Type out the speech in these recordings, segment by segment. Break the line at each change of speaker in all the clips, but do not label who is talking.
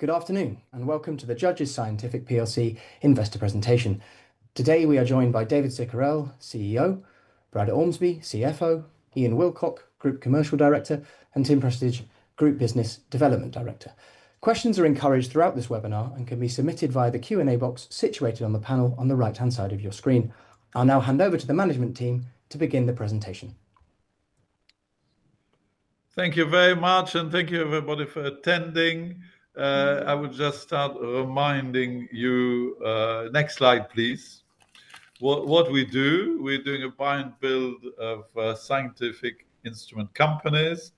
Good afternoon and welcome to the Judges Scientific PLC Investor Presentation. Today we are joined by David Cicurel, CEO, Brad Ormsby, CFO, Ian Wilcock, Group Commercial Director, and Tim Prestidge, Group Business Development Director. Questions are encouraged throughout this webinar and can be submitted via the Q&A box situated on the panel on the right-hand side of your screen. I'll now hand over to the management team to begin the presentation.
Thank you very much, and thank you everybody for attending. I will just start reminding you, next slide please, what we do. We're doing a buy and build of scientific instrument companies.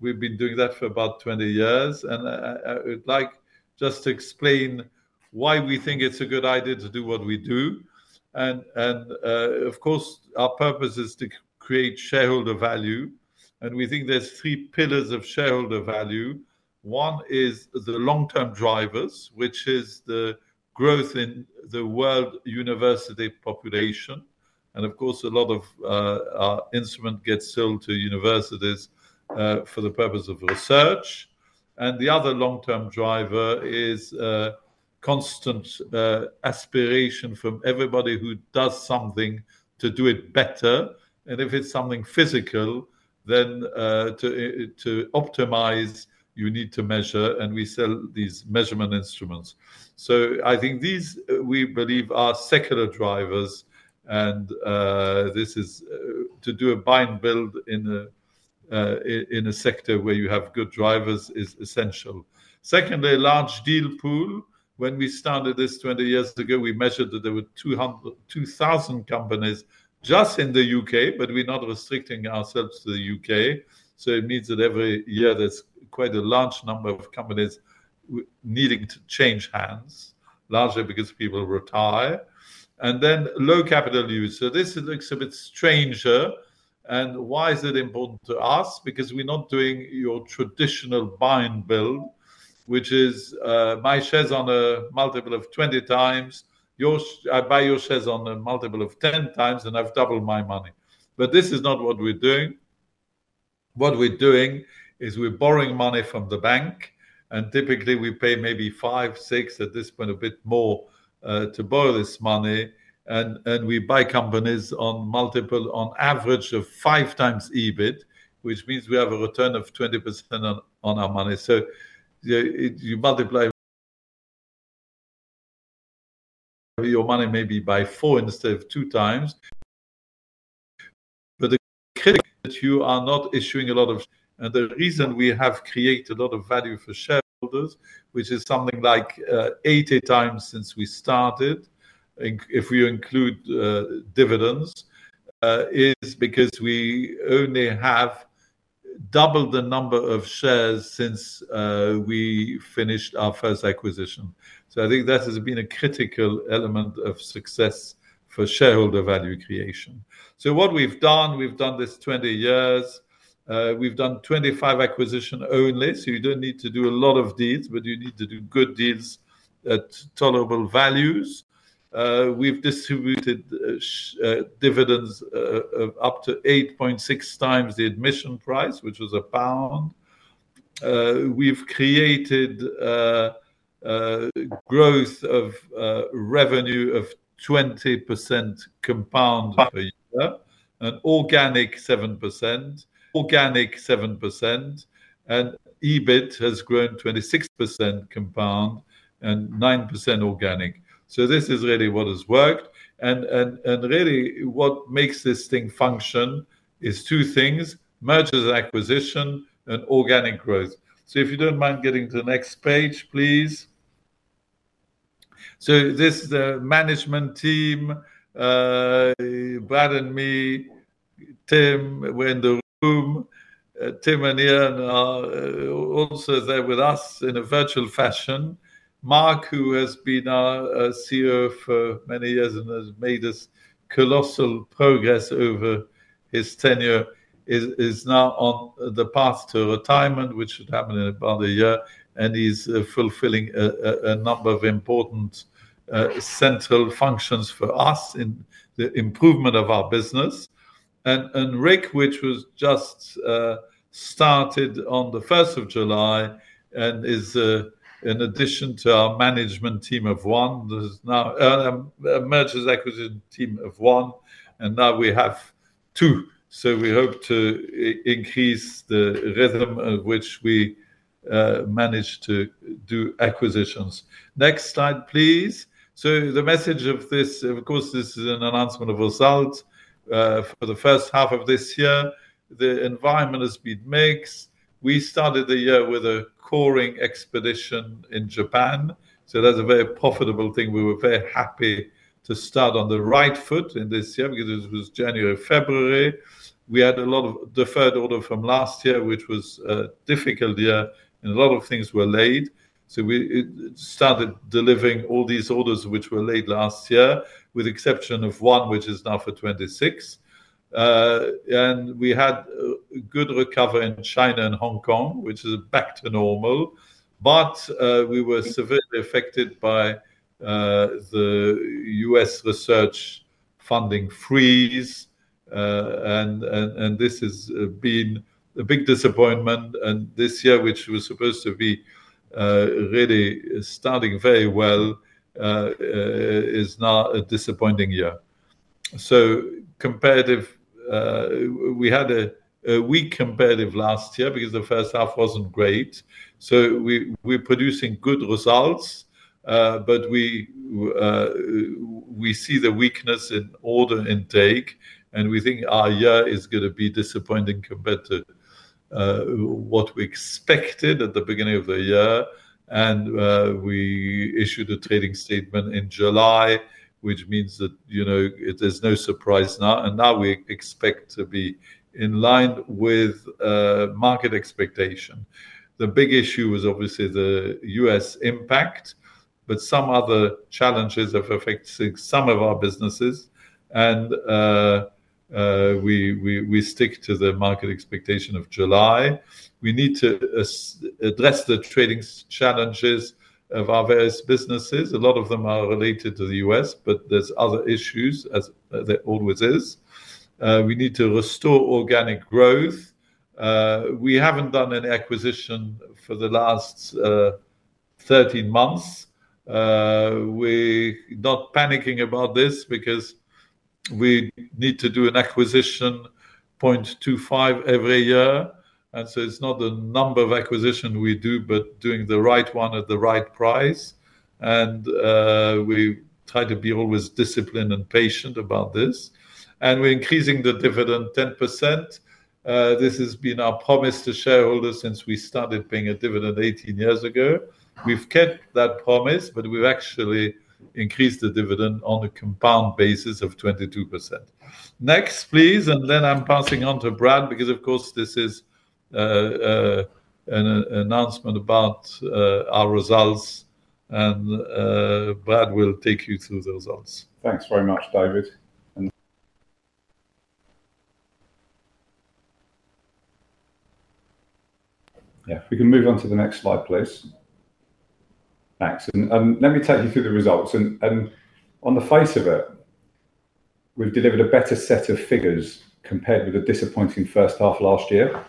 We've been doing that for about 20 years, and I would like just to explain why we think it's a good idea to do what we do. Of course, our purpose is to create shareholder value, and we think there's three pillars of shareholder value. One is the long-term drivers, which is the growth in the world university population. A lot of our instruments get sold to universities for the purpose of research. The other long-term driver is constant aspiration from everybody who does something to do it better. If it's something physical, then to optimize, you need to measure, and we sell these measurement instruments. We believe these are secular drivers, and to do a buy and build in a sector where you have good drivers is essential. Secondly, a large deal pool. When we started this 20 years ago, we measured that there were 2,000 companies just in the UK, but we're not restricting ourselves to the UK. It means that every year there's quite a large number of companies needing to change hands, larger because people retire, and then low capital use. This looks a bit stranger. Why is it important to us? We're not doing your traditional buy and build, which is my shares on a multiple of 20 times, I buy your shares on a multiple of 10 times, and I've doubled my money. This is not what we're doing. What we're doing is we're borrowing money from the bank, and typically we pay maybe five, six at this point, a bit more to borrow this money. We buy companies on a multiple on average of five times EBIT, which means we have a return of 20% on our money. You multiply your money maybe by four instead of two times. The trick is that you are not issuing a lot of... The reason we have created a lot of value for shareholders, which is something like 80 times since we started, if we include dividends, is because we only have doubled the number of shares since we finished our first acquisition. I think that has been a critical element of success for shareholder value creation. What we've done, we've done this 20 years. We've done 25 acquisitions only. You don't need to do a lot of deals, but you need to do good deals at tolerable values. We've distributed dividends up to 8.6 times the admission price, which was £1. We've created growth of revenue of 20% compound per year and organic 7%. Organic 7% and EBIT has grown 26% compound and 9% organic. This is really what has worked. What makes this thing function is two things: M&A and organic growth. If you don't mind getting to the next page, please. This is the management team. Brad and me, Tim, we're in the room. Tim and Ian are also there with us in a virtual fashion. Mark, who has been our CEO for many years and has made us colossal progress over his tenure, is now on the path to retirement, which should happen in about a year. He's fulfilling a number of important central functions for us in the improvement of our business. Rick, who just started on the 1st of July and is in addition to our management team of one, there's now an M&A team of one, and now we have two. We hope to increase the rhythm at which we manage to do acquisitions. Next slide, please. The message of this, of course, this is an announcement of results. For the first half of this year, the environment has been mixed. We started the year with a Geotech Coring Expedition in Japan. That's a very profitable thing. We were very happy to start on the right foot in this year because it was January or February. We had a lot of deferred orders from last year, which was a difficult year, and a lot of things were late. We started delivering all these orders which were late last year, with the exception of one which is now for 2026. We had a good recovery in China and Hong Kong, which is back to normal. We were severely affected by the U.S. research funding freeze. This has been a big disappointment. This year, which was supposed to be really starting very well, is now a disappointing year. Comparative, we had a weak comparative last year because the first half wasn't great. We're producing good results, but we see the weakness in order intake. We think our year is going to be disappointing compared to what we expected at the beginning of the year. We issued a trading statement in July, which means that there's no surprise now. Now we expect to be in line with market expectation. The big issue was obviously the U.S. impact, but some other challenges have affected some of our businesses. We stick to the market expectation of July. We need to address the trading challenges of our various businesses. A lot of them are related to the U.S., but there's other issues, as there always is. We need to restore organic growth. We haven't done an acquisition for the last 13 months. We're not panicking about this because we need to do an acquisition 0.25 every year. It's not the number of acquisitions we do, but doing the right one at the right price. We try to be always disciplined and patient about this. We're increasing the dividend 10%. This has been our promise to shareholders since we started paying a dividend 18 years ago. We've kept that promise, but we've actually increased the dividend on a compound basis of 22%. Next, please. I'm passing on to Brad because, of course, this is an announcement about our results. Brad will take you through the results.
Thanks very much, David. If we can move on to the next slide, please. Thanks. Let me take you through the results. On the face of it, we've delivered a better set of figures compared with the disappointing first half last year.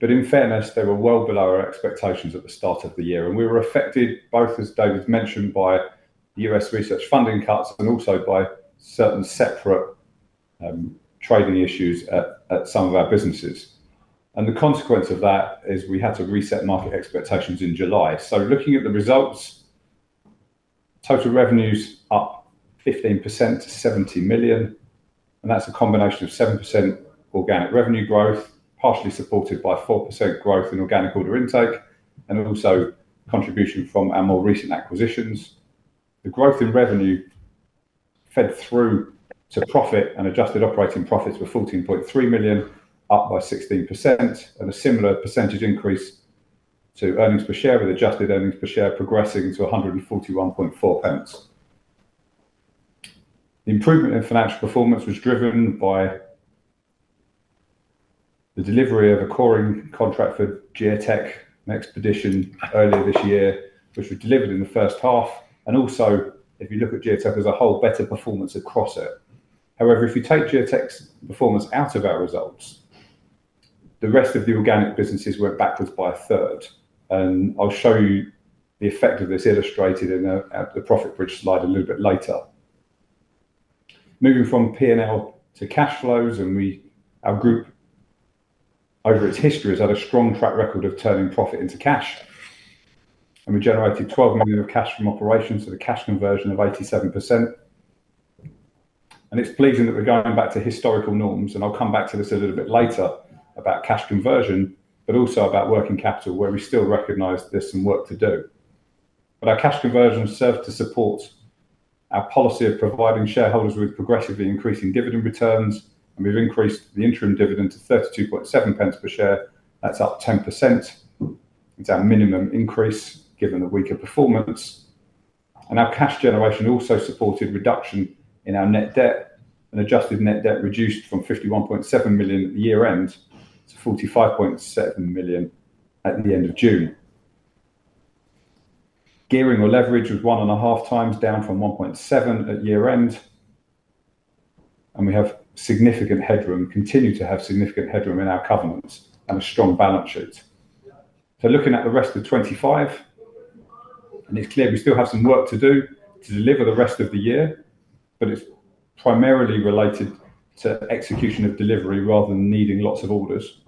In fairness, they were well below our expectations at the start of the year. We were affected, both, as David mentioned, by U.S. research funding cuts and also by certain separate trading issues at some of our businesses. The consequence of that is we had to reset market expectations in July. Looking at the results, total revenues are up 15% to £70 million. That's a combination of 7% organic revenue growth, partially supported by 4% growth in organic order intake, and also contribution from our more recent acquisitions. The growth in revenue fed through to profit and adjusted operating profits were £14.3 million, up by 16%, and a similar percentage increase to earnings per share with adjusted earnings per share progressing to £1.414. Improvement in financial performance was driven by the delivery of a coring contract for the Geotech Coring Expedition earlier this year, which was delivered in the first half. If you look at Geotech as a whole, there was better performance across it. However, if you take Geotech's performance out of our results, the rest of the organic businesses went backwards by a third. I'll show you the effect of this illustrated in the Profit Bridge slide a little bit later. Moving from P&L to cash flows, our group, over its history, has had a strong track record of turning profit into cash. We generated £12 million of cash from operations, so the cash conversion was 87%. It's pleasing that we're going back to historical norms. I'll come back to this a little bit later about cash conversion, but also about working capital, where we still recognize there's some work to do. Our cash conversion served to support our policy of providing shareholders with progressively increasing dividend returns. We've increased the interim dividend to £0.327 per share. That's up 10%. It's our minimum increase given a weaker performance. Our cash generation also supported reduction in our net debt. Adjusted net debt reduced from £51.7 million at the year end to £45.7 million at the end of June. Gearing or leverage was 1.5 times, down from 1.7 at year end. We have significant headroom, continue to have significant headroom in our covenants and a strong balance sheet. Looking at the rest of 2025, it's clear we still have some work to do to deliver the rest of the year, but it's primarily related to execution of delivery rather than needing lots of orders.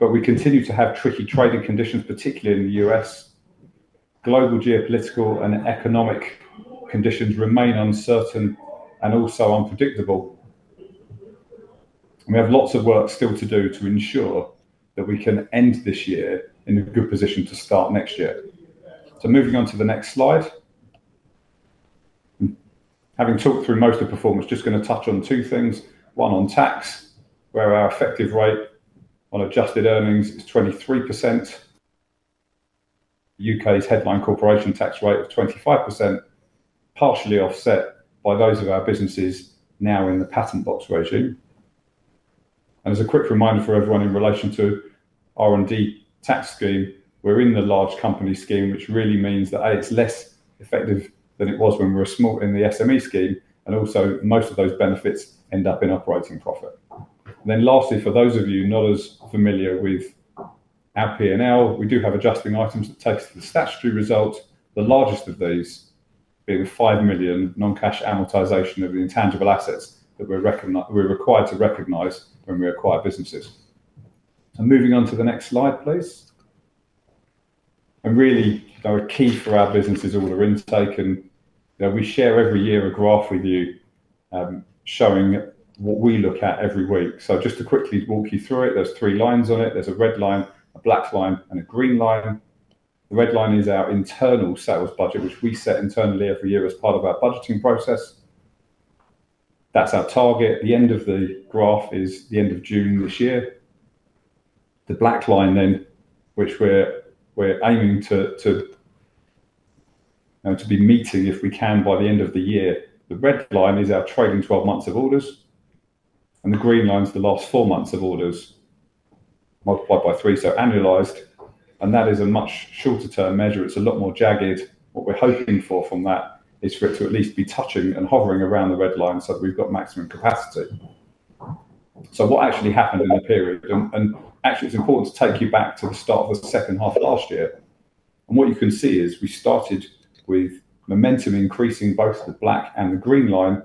We continue to have tricky trading conditions, particularly in the U.S. Global geopolitical and economic conditions remain uncertain and also unpredictable. We have lots of work still to do to ensure that we can end this year in a good position to start next year. Moving on to the next slide. Having talked through most of the performance, just going to touch on two things. One on tax, where our effective rate on adjusted earnings is 23%. The U.K.'s headline corporation tax rate is 25%, partially offset by those of our businesses now in the patent box regime. As a quick reminder for everyone in relation to the R&D tax scheme, we're in the large company scheme, which really means that it's less effective than it was when we were small in the SME scheme. Most of those benefits end up in operating profit. Lastly, for those of you not as familiar with our P&L, we do have adjusting items that take us to the statutory result. The largest of these is £5 million non-cash amortization of the intangible assets that we're required to recognize when we acquire businesses. Moving on to the next slide, please. Our key for our business is order intake. We share every year a graph with you, showing what we look at every week. Just to quickly walk you through it, there are three lines on it. There's a red line, a black line, and a green line. The red line is our internal sales budget, which we set internally every year as part of our budgeting process. That's our target. The end of the graph is the end of June this year. The black line then, which we're aiming to be meeting if we can by the end of the year. The red line is our trading 12 months of orders. The green line is the last four months of orders multiplied by three, so annualized. That is a much shorter-term measure. It's a lot more jagged. What we're hoping for from that is for it to at least be touching and hovering around the red line so that we've got maximum capacity. What actually happened in the period, and actually, it's important to take you back to the start of the second half last year. What you can see is we started with momentum increasing both the black and the green line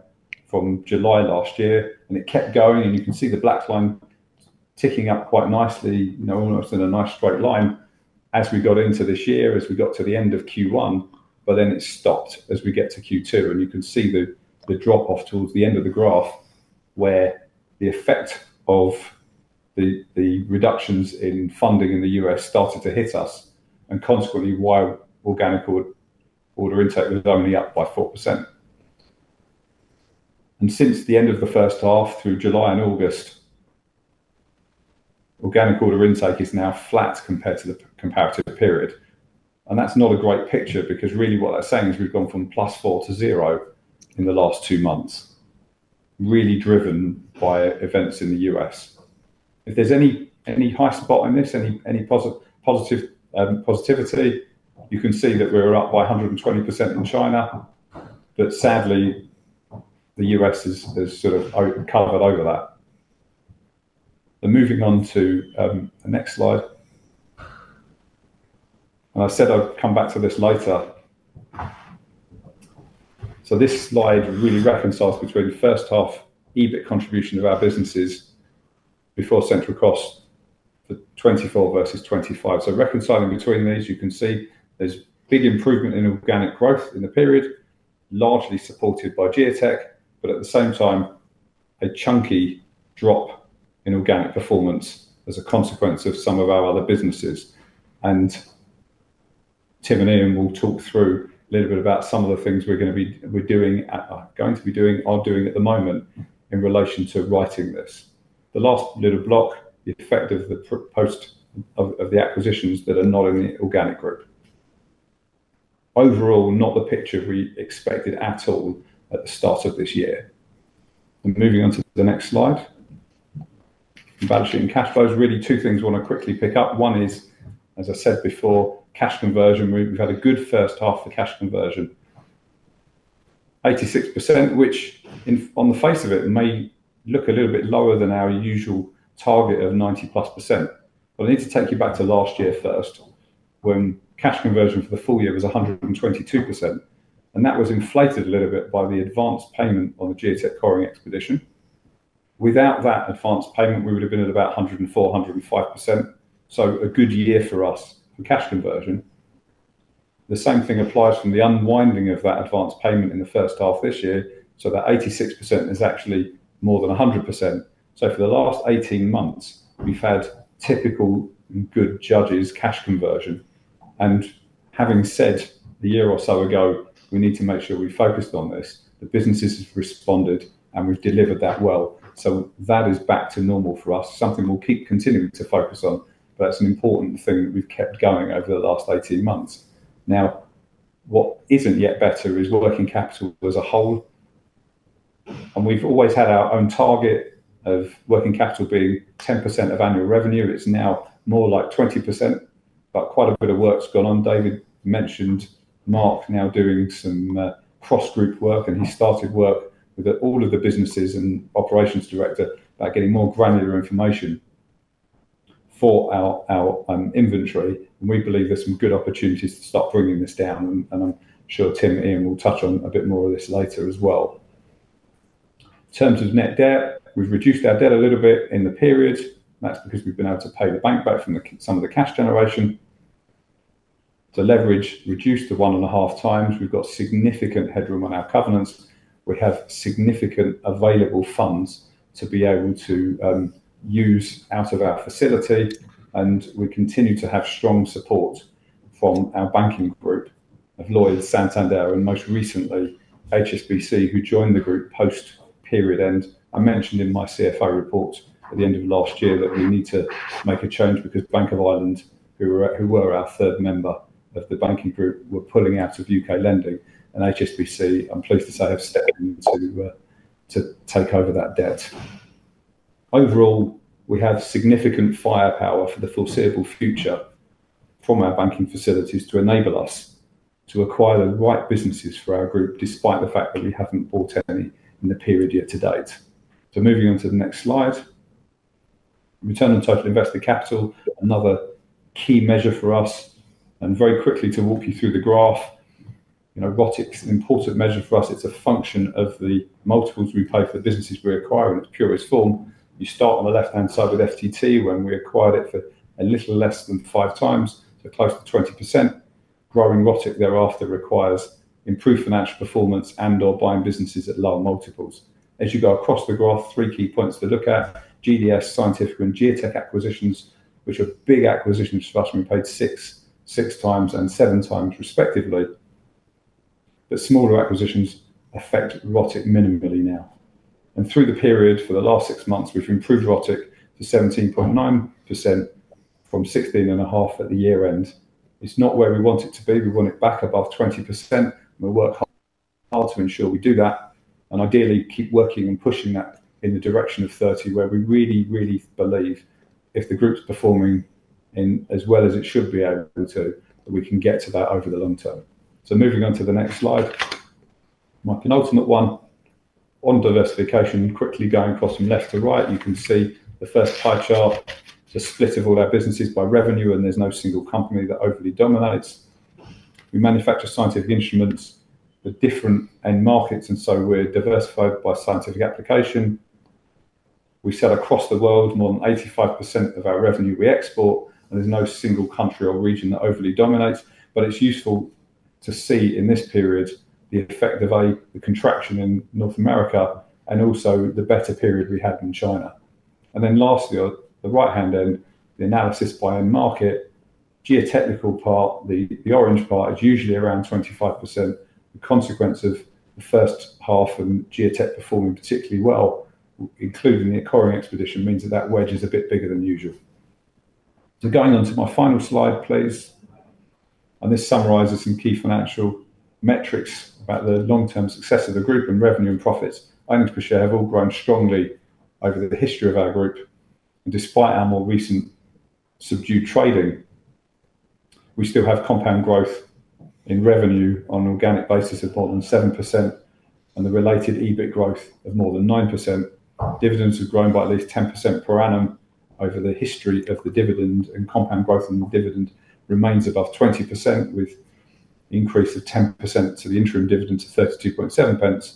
from July last year. It kept going. You can see the black line ticking up quite nicely. It's in a nice straight line as we got into this year, as we got to the end of Q1. It stopped as we get to Q2. You can see the drop-off towards the end of the graph where the effect of the reductions in funding in the U.S. started to hit us. Consequently, organic order intake was only up by 4%. Since the end of the first half through July and August, organic order intake is now flat compared to the comparative period. That's not a great picture because really what that's saying is we've gone from plus 4% to zero in the last two months, really driven by events in the U.S. If there's any high spot on this, any positivity, you can see that we're up by 120% in China. Sadly, the U.S. has sort of covered over that. Moving on to the next slide. I said I'd come back to this later. This slide really reconciles between first half EBIT contribution of our businesses before central cost for 2024 versus 2025. Reconciling between these, you can see there's big improvement in organic growth in the period, largely supported by Geotech, but at the same time, a chunky drop in organic performance as a consequence of some of our other businesses. Tim and Ian will talk through a little bit about some of the things we're going to be doing, are doing at the moment in relation to righting this. The last little block, the effect of the post of the acquisitions that are not in the organic group. Overall, not the picture we expected at all at the start of this year. Moving on to the next slide. Balancing cash flows, really two things I want to quickly pick up. One is, as I said before, cash conversion. We've had a good first half for cash conversion, 86%, which on the face of it may look a little bit lower than our usual target of 90% plus. I need to take you back to last year first when cash conversion for the full year was 122%. That was inflated a little bit by the advanced payment on the Geotech Coring Expedition. Without that advanced payment, we would have been at about 104%, 105%. A good year for us in cash conversion. The same thing applies from the unwinding of that advanced payment in the first half this year. That 86% is actually more than 100%. For the last 18 months, we've had typical good Judges cash conversion. Having said a year or so ago, we need to make sure we focused on this. The businesses have responded and we've delivered that well. That is back to normal for us. It's something we'll keep continuing to focus on. It's an important thing that we've kept going over the last 18 months. What isn't yet better is working capital as a whole. We've always had our own target of working capital being 10% of annual revenue. It's now more like 20%. Quite a bit of work's gone on. David mentioned Mark now doing some cross-group work. He started work with all of the businesses and Operations Director about getting more granular information for our inventory. We believe there's some good opportunities to start bringing this down. I'm sure Tim and Ian will touch on a bit more of this later as well. In terms of net debt, we've reduced our debt a little bit in the period. That's because we've been able to pay the bank back from some of the cash generation. The leverage reduced to one and a half times. We've got significant headroom on our covenants. We have significant available funds to be able to use out of our facility. We continue to have strong support from our banking group of Lloyds, Santander, and most recently HSBC, who joined the group post-period. I mentioned in my CFO report at the end of last year that we need to make a change because Bank of Ireland, who were our third member of the banking group, were pulling out of UK lending. HSBC, I'm pleased to say, have stepped in to take over that debt. Overall, we have significant firepower for the foreseeable future from our banking facilities to enable us to acquire the right businesses for our group, despite the fact that we haven't bought any in the period yet to date. Moving on to the next slide. Return on total investor capital, another key measure for us. Very quickly to walk you through the graph, it's an important measure for us. It's a function of the multiples we pay for businesses we acquire in its purest form. You start on the left-hand side with FTT when we acquired it for a little less than five times for close to 20%. Growing ROTIC thereafter requires improved financial performance and/or buying businesses at lower multiples. As you go across the graph, three key points to look at: GDS, Scientific, and Geotech acquisitions, which are big acquisitions for us. We paid six, six times and seven times respectively. Smaller acquisitions affect ROTIC minimally now. Through the period for the last six months, we've improved ROTIC to 17.9% from 16.5% at the year end. It's not where we want it to be. We want it back above 20%. We work hard to ensure we do that, and ideally, keep working and pushing that in the direction of 30% where we really, really believe if the group's performing as well as it should be able to, that we can get to that over the long term. Moving on to the next slide, my penultimate one on diversification. Quickly going across from left to right, you can see the first pie chart. It's a split of all our businesses by revenue, and there's no single company that overly dominates. We manufacture scientific instruments for different end markets, and we're diversified by scientific application. We sell across the world; more than 85% of our revenue we export, and there's no single country or region that overly dominates. It's useful to see in this period the effect of the contraction in North America and also the better period we had in China. Lastly, on the right-hand end, the analysis by end market. Geotechnical part, the orange part, is usually around 25%. The consequence of the first half and Geotech performing particularly well, including the Coring Expedition, means that that wedge is a bit bigger than usual. Going on to my final slide, please. This summarizes some key financial metrics about the long-term success of the group and revenue and profits. Earnings per share have all grown strongly over the history of our group. Despite our more recent subdued trading, we still have compound growth in revenue on an organic basis of more than 7% and the related EBIT growth of more than 9%. Dividends have grown by at least 10% per annum over the history of the dividend, and compound growth in the dividend remains above 20% with an increase of 10% to the interim dividend to £0.327.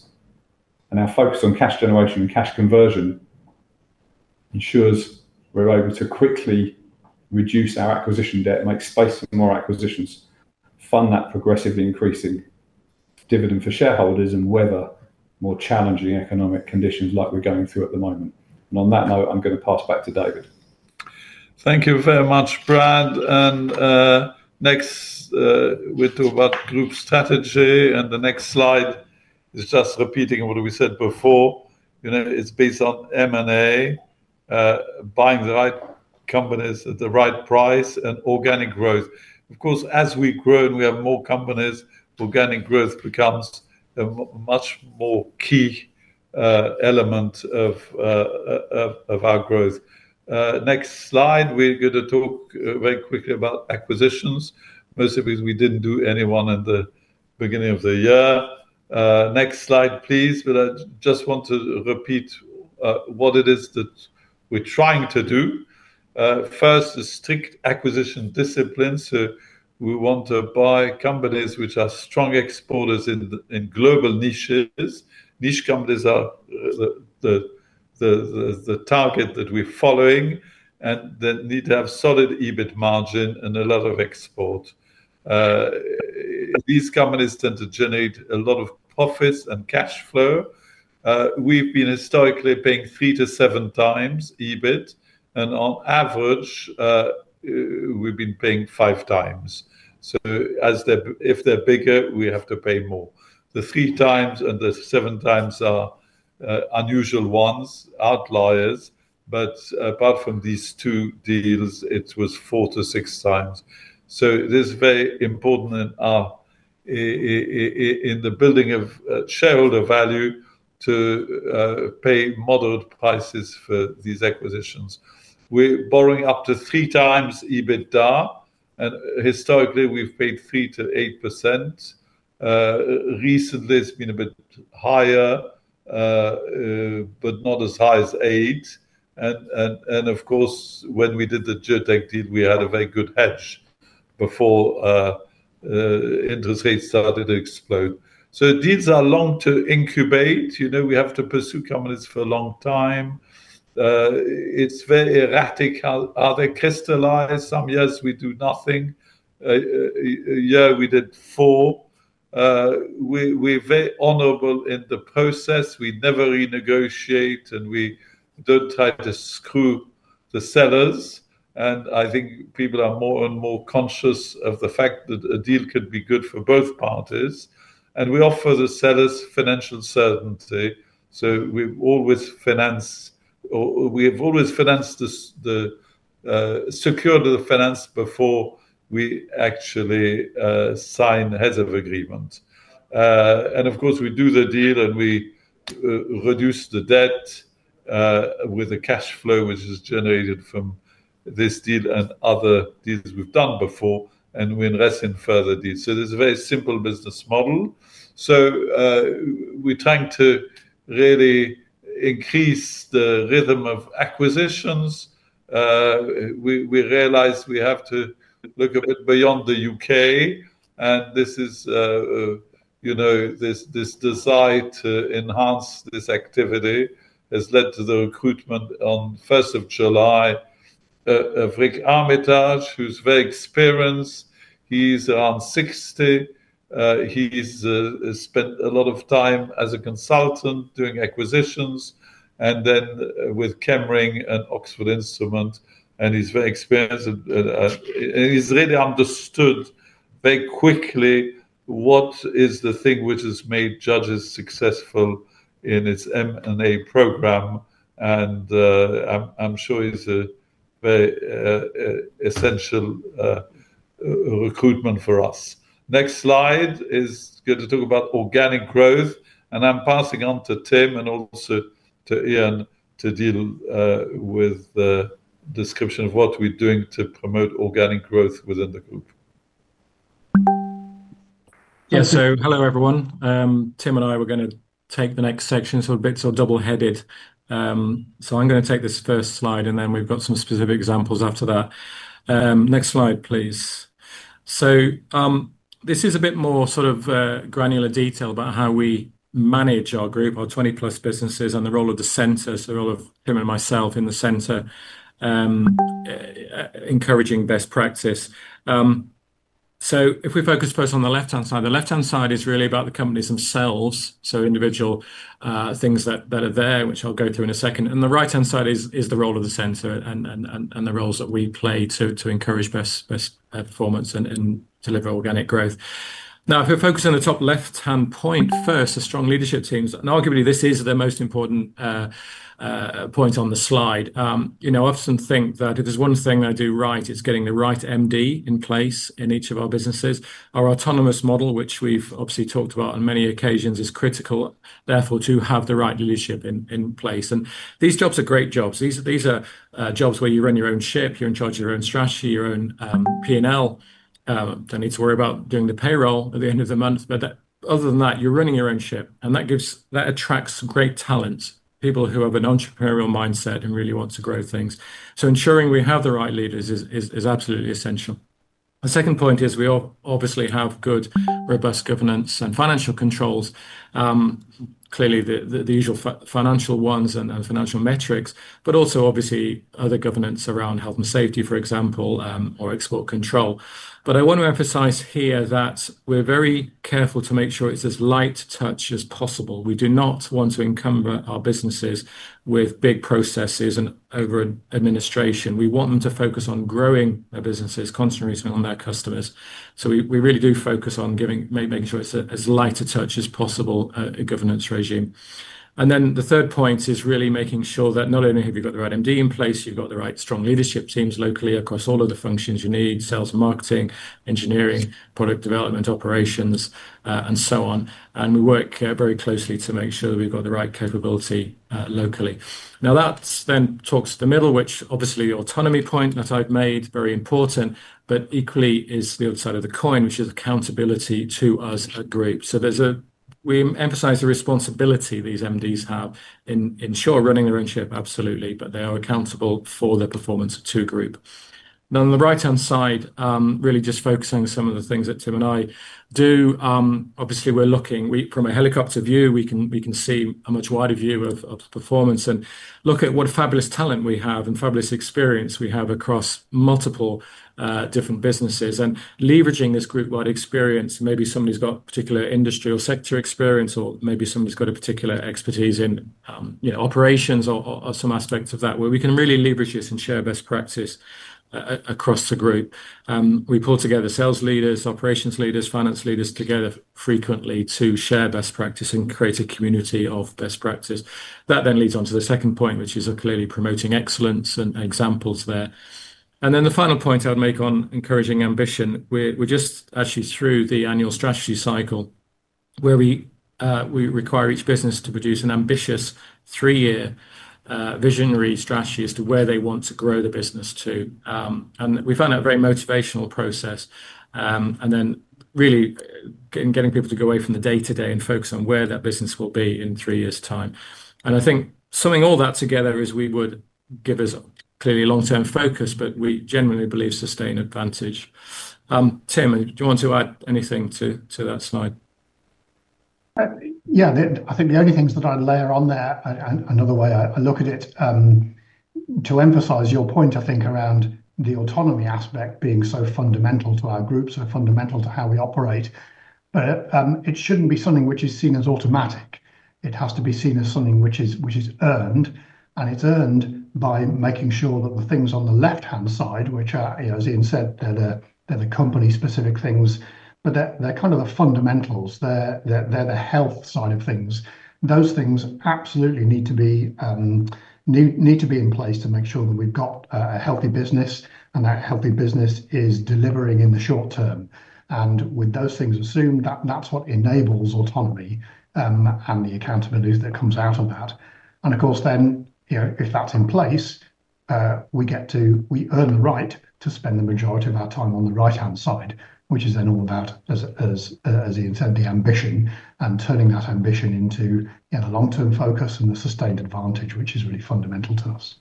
Our focus on cash generation and cash conversion ensures we're able to quickly reduce our acquisition debt and make space for more acquisitions, fund that progressively increasing dividend for shareholders, and weather more challenging economic conditions like we're going through at the moment. On that note, I'm going to pass back to David.
Thank you very much, Brad. Next, we'll talk about group strategy. The next slide is just repeating what we said before. You know, it's based on M&A, buying the right companies at the right price, and organic growth. Of course, as we grow and we have more companies, organic growth becomes a much more key element of our growth. Next slide, we're going to talk very quickly about acquisitions, mostly because we didn't do any in the beginning of the year. Next slide, please. I just want to repeat what it is that we're trying to do. First is strict acquisition discipline. We want to buy companies which are strong exporters in global niches. Niche companies are the target that we're following, and they need to have solid EBIT margin and a lot of export. These companies tend to generate a lot of profits and cash flow. We've been historically paying three to seven times EBIT, and on average, we've been paying five times. If they're bigger, we have to pay more. The three times and the seven times are unusual ones, outliers. Apart from these two deals, it was four to six times. It is very important in the building of shareholder value to pay moderate prices for these acquisitions. We're borrowing up to three times EBITDA, and historically, we've paid 3% to 8%. Recently, it's been a bit higher, but not as high as 8%. When we did the Geotech deal, we had a very good hedge before interest rates started to explode. Deals are long to incubate. We have to pursue companies for a long time. It's very erratic. Are they crystallized? Some years, we do nothing. Yeah, we did four. We're very honorable in the process. We never renegotiate, and we don't try to screw the sellers. I think people are more and more conscious of the fact that a deal could be good for both parties. We offer the sellers financial certainty. We always finance, or we have always financed the security of the finance before we actually sign a heads-up agreement. We do the deal, and we reduce the debt with the cash flow, which is generated from this deal and other deals we've done before, and we invest in further deals. There's a very simple business model. We're trying to really increase the rhythm of acquisitions. We realize we have to look a bit beyond the UK. This desire to enhance this activity has led to the recruitment on 1st of July of Rick Armitage, who's very experienced. He's around 60. He's spent a lot of time as a consultant doing acquisitions and then with Chemring and Oxford Instruments. He's very experienced, and he's really understood very quickly what is the thing which has made Judges successful in its M&A program. I'm sure he's a very essential recruitment for us. The next slide is going to talk about organic growth. I'm passing on to Tim and also to Ian to deal with the description of what we're doing to promote organic growth within the group.
Yeah, hello everyone. Tim and I are going to take the next section. It's a bit sort of double-headed. I'm going to take this first slide, and then we've got some specific examples after that. Next slide, please. This is a bit more sort of granular detail about how we manage our group, our 20-plus businesses, and the role of the center, the role of Tim and myself in the center, encouraging best practice. If we focus first on the left-hand side, the left-hand side is really about the companies themselves, individual things that are there, which I'll go to in a second. The right-hand side is the role of the center and the roles that we play to encourage best performance and deliver organic growth. If we focus on the top left-hand point first, the strong leadership teams, and arguably this is the most important point on the slide. I often think that if there's one thing I do right, it's getting the right MD in place in each of our businesses. Our autonomous operating model, which we've obviously talked about on many occasions, is critical. Therefore, to have the right leadership in place. These jobs are great jobs. These are jobs where you run your own ship. You're in charge of your own strategy, your own P&L. Don't need to worry about doing the payroll at the end of the month. Other than that, you're running your own ship. That attracts great talent, people who have an entrepreneurial mindset and really want to grow things. Ensuring we have the right leaders is absolutely essential. The second point is we obviously have good, robust governance and financial controls. Clearly, the usual financial ones and financial metrics, but also obviously other governance around health and safety, for example, or export control. I want to emphasize here that we're very careful to make sure it's as light a touch as possible. We do not want to encumber our businesses with big processes and over-administration. We want them to focus on growing their businesses, concentrating on their customers. We really do focus on making sure it's as light a touch as possible, a governance regime. The third point is really making sure that not only have you got the right MD in place, you've got the right strong leadership teams locally across all of the functions you need: sales, marketing, engineering, product development, operations, and so on. We work very closely to make sure that we've got the right capability locally. Now, that then talks to the middle, which obviously is the autonomy point that I've made, very important, but equally is the other side of the coin, which is accountability to us at Group. We emphasize the responsibility these MDs have in, sure, running their own ship, absolutely, but they are accountable for the performance to Group. On the right-hand side, really just focusing on some of the things that Tim and I do. Obviously, we're looking from a helicopter view. We can see a much wider view of performance and look at what a fabulous talent we have and fabulous experience we have across multiple different businesses. Leveraging this group-wide experience, maybe somebody's got a particular industry or sector experience, or maybe somebody's got a particular expertise in operations or some aspects of that, where we can really leverage this and share best practice across the Group. We pull together sales leaders, operations leaders, finance leaders together frequently to share best practice and create a community of best practice. That then leads on to the second point, which is clearly promoting excellence and examples there. The final point I'd make on encouraging ambition, we're just actually through the annual strategy cycle where we require each business to produce an ambitious three-year visionary strategy as to where they want to grow the business to. We found that a very motivational process. Really getting people to go away from the day-to-day and focus on where that business will be in three years' time. I think summing all that together is we would give us clearly a long-term focus, but we genuinely believe sustained advantage. Tim, do you want to add anything to that slide?
I think the only things that I'd layer on there, another way I look at it, to emphasize your point, I think, around the autonomy aspect being so fundamental to our group, so fundamental to how we operate. It shouldn't be something which is seen as automatic. It has to be seen as something which is earned. It's earned by making sure that the things on the left-hand side, which are, as Ian said, they're the company-specific things, but they're kind of the fundamentals. They're the health side of things. Those things absolutely need to be in place to make sure that we've got a healthy business and that healthy business is delivering in the short term. With those things assumed, that's what enables autonomy and the accountability that comes out of that. If that's in place, we get to, we earn the right to spend the majority of our time on the right-hand side, which is then all about, as Ian said, the ambition and turning that ambition into the long-term focus and the sustained advantage, which is really fundamental to us.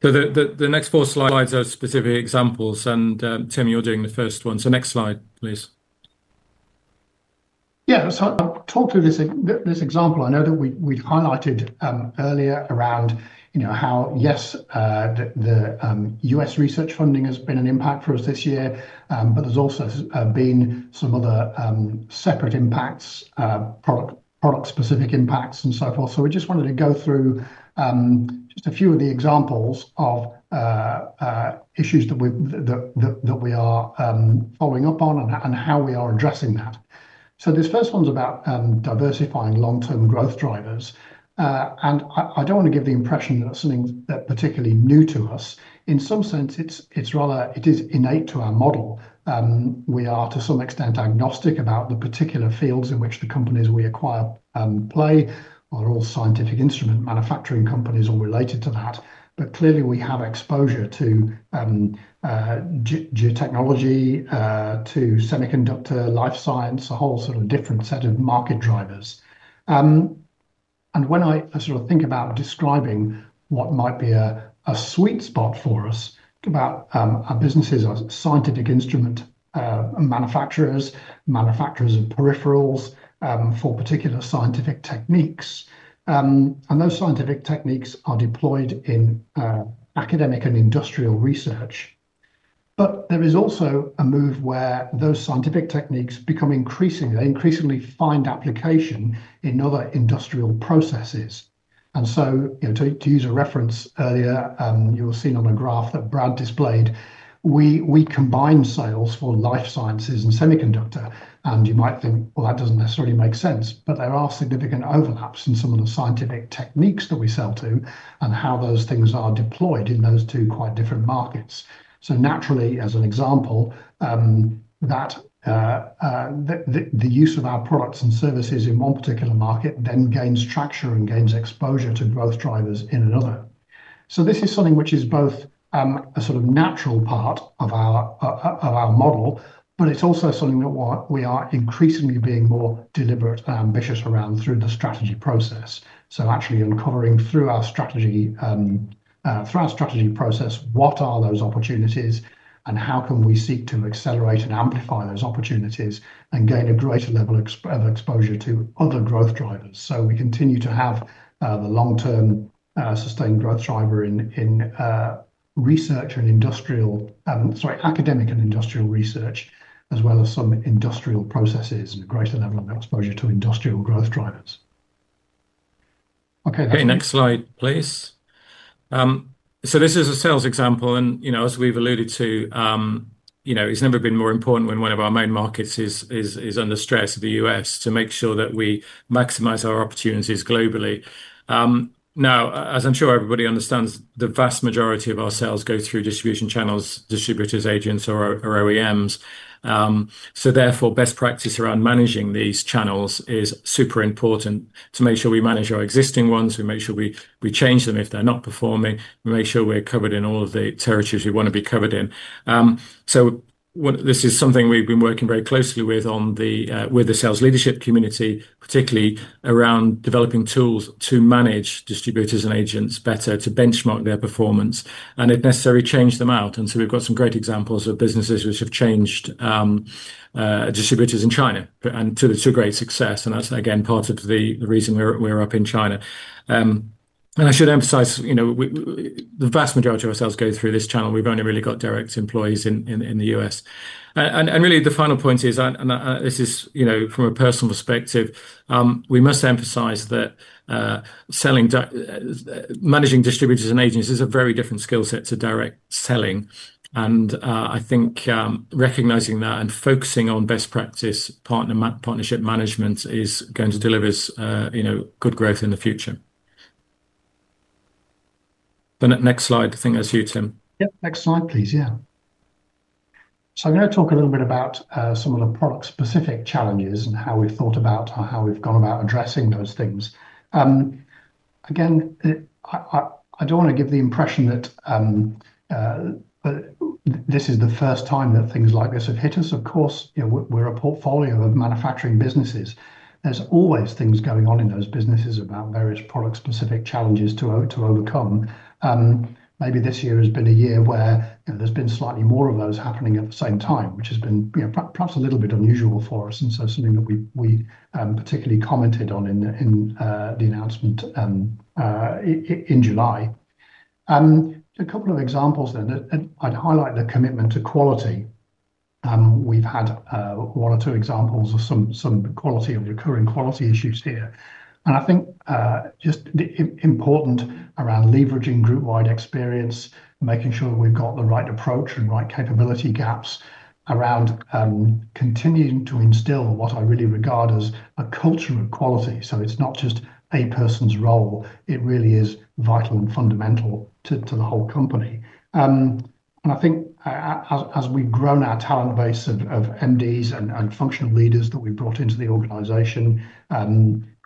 The next four slides are specific examples. Tim, you're doing the first one. Next slide, please.
Yeah, let's talk through this example. I know that we've highlighted earlier around, you know, how yes, the U.S. research funding has been an impact for us this year, but there's also been some other separate impacts, product-specific impacts and so forth. We just wanted to go through just a few of the examples of issues that we are following up on and how we are addressing that. This first one's about diversifying long-term growth drivers. I don't want to give the impression that it's something that's particularly new to us. In some sense, it's rather innate to our model. We are, to some extent, agnostic about the particular fields in which the companies we acquire play, are all scientific instrument manufacturing companies or related to that. Clearly, we have exposure to geotechnology, to semiconductor, life science, a whole sort of different set of market drivers. When I sort of think about describing what might be a sweet spot for us, about our businesses are scientific instrument manufacturers, manufacturers of peripherals for particular scientific techniques. Those scientific techniques are deployed in academic and industrial research. There is also a move where those scientific techniques become increasingly, they increasingly find application in other industrial processes. To use a reference earlier, you were seen on a graph that Brad displayed. We combine sales for life sciences and semiconductor. You might think, well, that doesn't necessarily make sense, but there are significant overlaps in some of the scientific techniques that we sell to and how those things are deployed in those two quite different markets. Naturally, as an example, the use of our products and services in one particular market then gains traction and gains exposure to growth drivers in another. This is something which is both a sort of natural part of our model, but it's also something that we are increasingly being more deliberate and ambitious around through the strategy process. Actually uncovering through our strategy process what are those opportunities and how can we seek to accelerate and amplify those opportunities and gain a greater level of exposure to other growth drivers. We continue to have the long-term sustained growth driver in research and industrial, sorry, academic and industrial research, as well as some industrial processes and a greater level of exposure to industrial growth drivers.
Okay, next slide, please. This is a sales example. As we've alluded to, it's never been more important when one of our main markets is under stress, the U.S., to make sure that we maximize our opportunities globally. Now, as I'm sure everybody understands, the vast majority of our sales go through distribution channels, distributors, agents, or OEMs. Therefore, best practice around managing these channels is super important to make sure we manage our existing ones. We make sure we change them if they're not performing. We make sure we're covered in all of the territories we want to be covered in. This is something we've been working very closely with on the sales leadership community, particularly around developing tools to manage distributors and agents better, to benchmark their performance, and if necessary, change them out. We've got some great examples of businesses which have changed distributors in China to great success. That's, again, part of the reason we're up in China. I should emphasize, the vast majority of our sales go through this channel. We've only really got direct employees in the U.S. The final point is, and this is from a personal perspective, we must emphasize that managing distributors and agents is a very different skill set to direct selling. I think recognizing that and focusing on best practice partnership management is going to deliver good growth in the future. Next slide, the thing I see, Tim.
Next slide, please. I'm going to talk a little bit about some of the product-specific challenges and how we've thought about or how we've gone about addressing those things. I don't want to give the impression that this is the first time that things like this have hit us. Of course, you know, we're a portfolio of manufacturing businesses. There's always things going on in those businesses about various product-specific challenges to overcome. Maybe this year has been a year where there's been slightly more of those happening at the same time, which has been perhaps a little bit unusual for us. It's something that we particularly commented on in the announcement in July. A couple of examples there, I'd highlight the commitment to quality. We've had one or two examples of some recurring quality issues here. I think just the important thing around leveraging group-wide experience, making sure we've got the right approach and right capability gaps around continuing to instill what I really regard as a culture of quality. It's not just a person's role. It really is vital.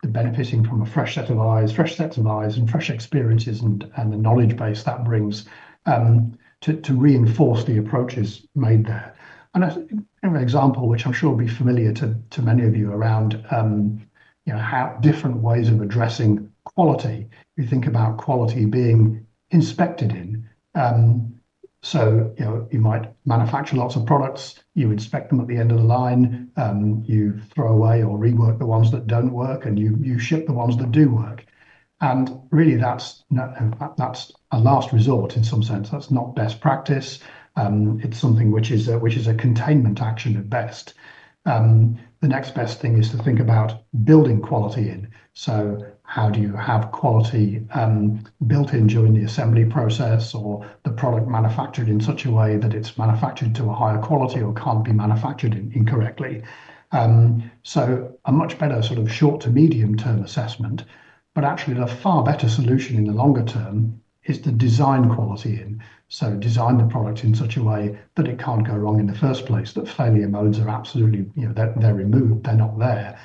You rework the ones that don't work, and you ship the ones that do work. That's a last resort in some sense. That's not best practice. It's something which is a containment action at best. The next best thing is to think about building quality in. How do you have quality built in during the assembly process or the product manufactured in such a way that it's manufactured to a higher quality or can't be manufactured incorrectly? A much better sort of short to medium-term assessment. Actually, a far better solution in the longer term is to design quality in. Design the product in such a way that it can't go wrong in the first place, that failure modes are absolutely, you know, they're removed, they're not there.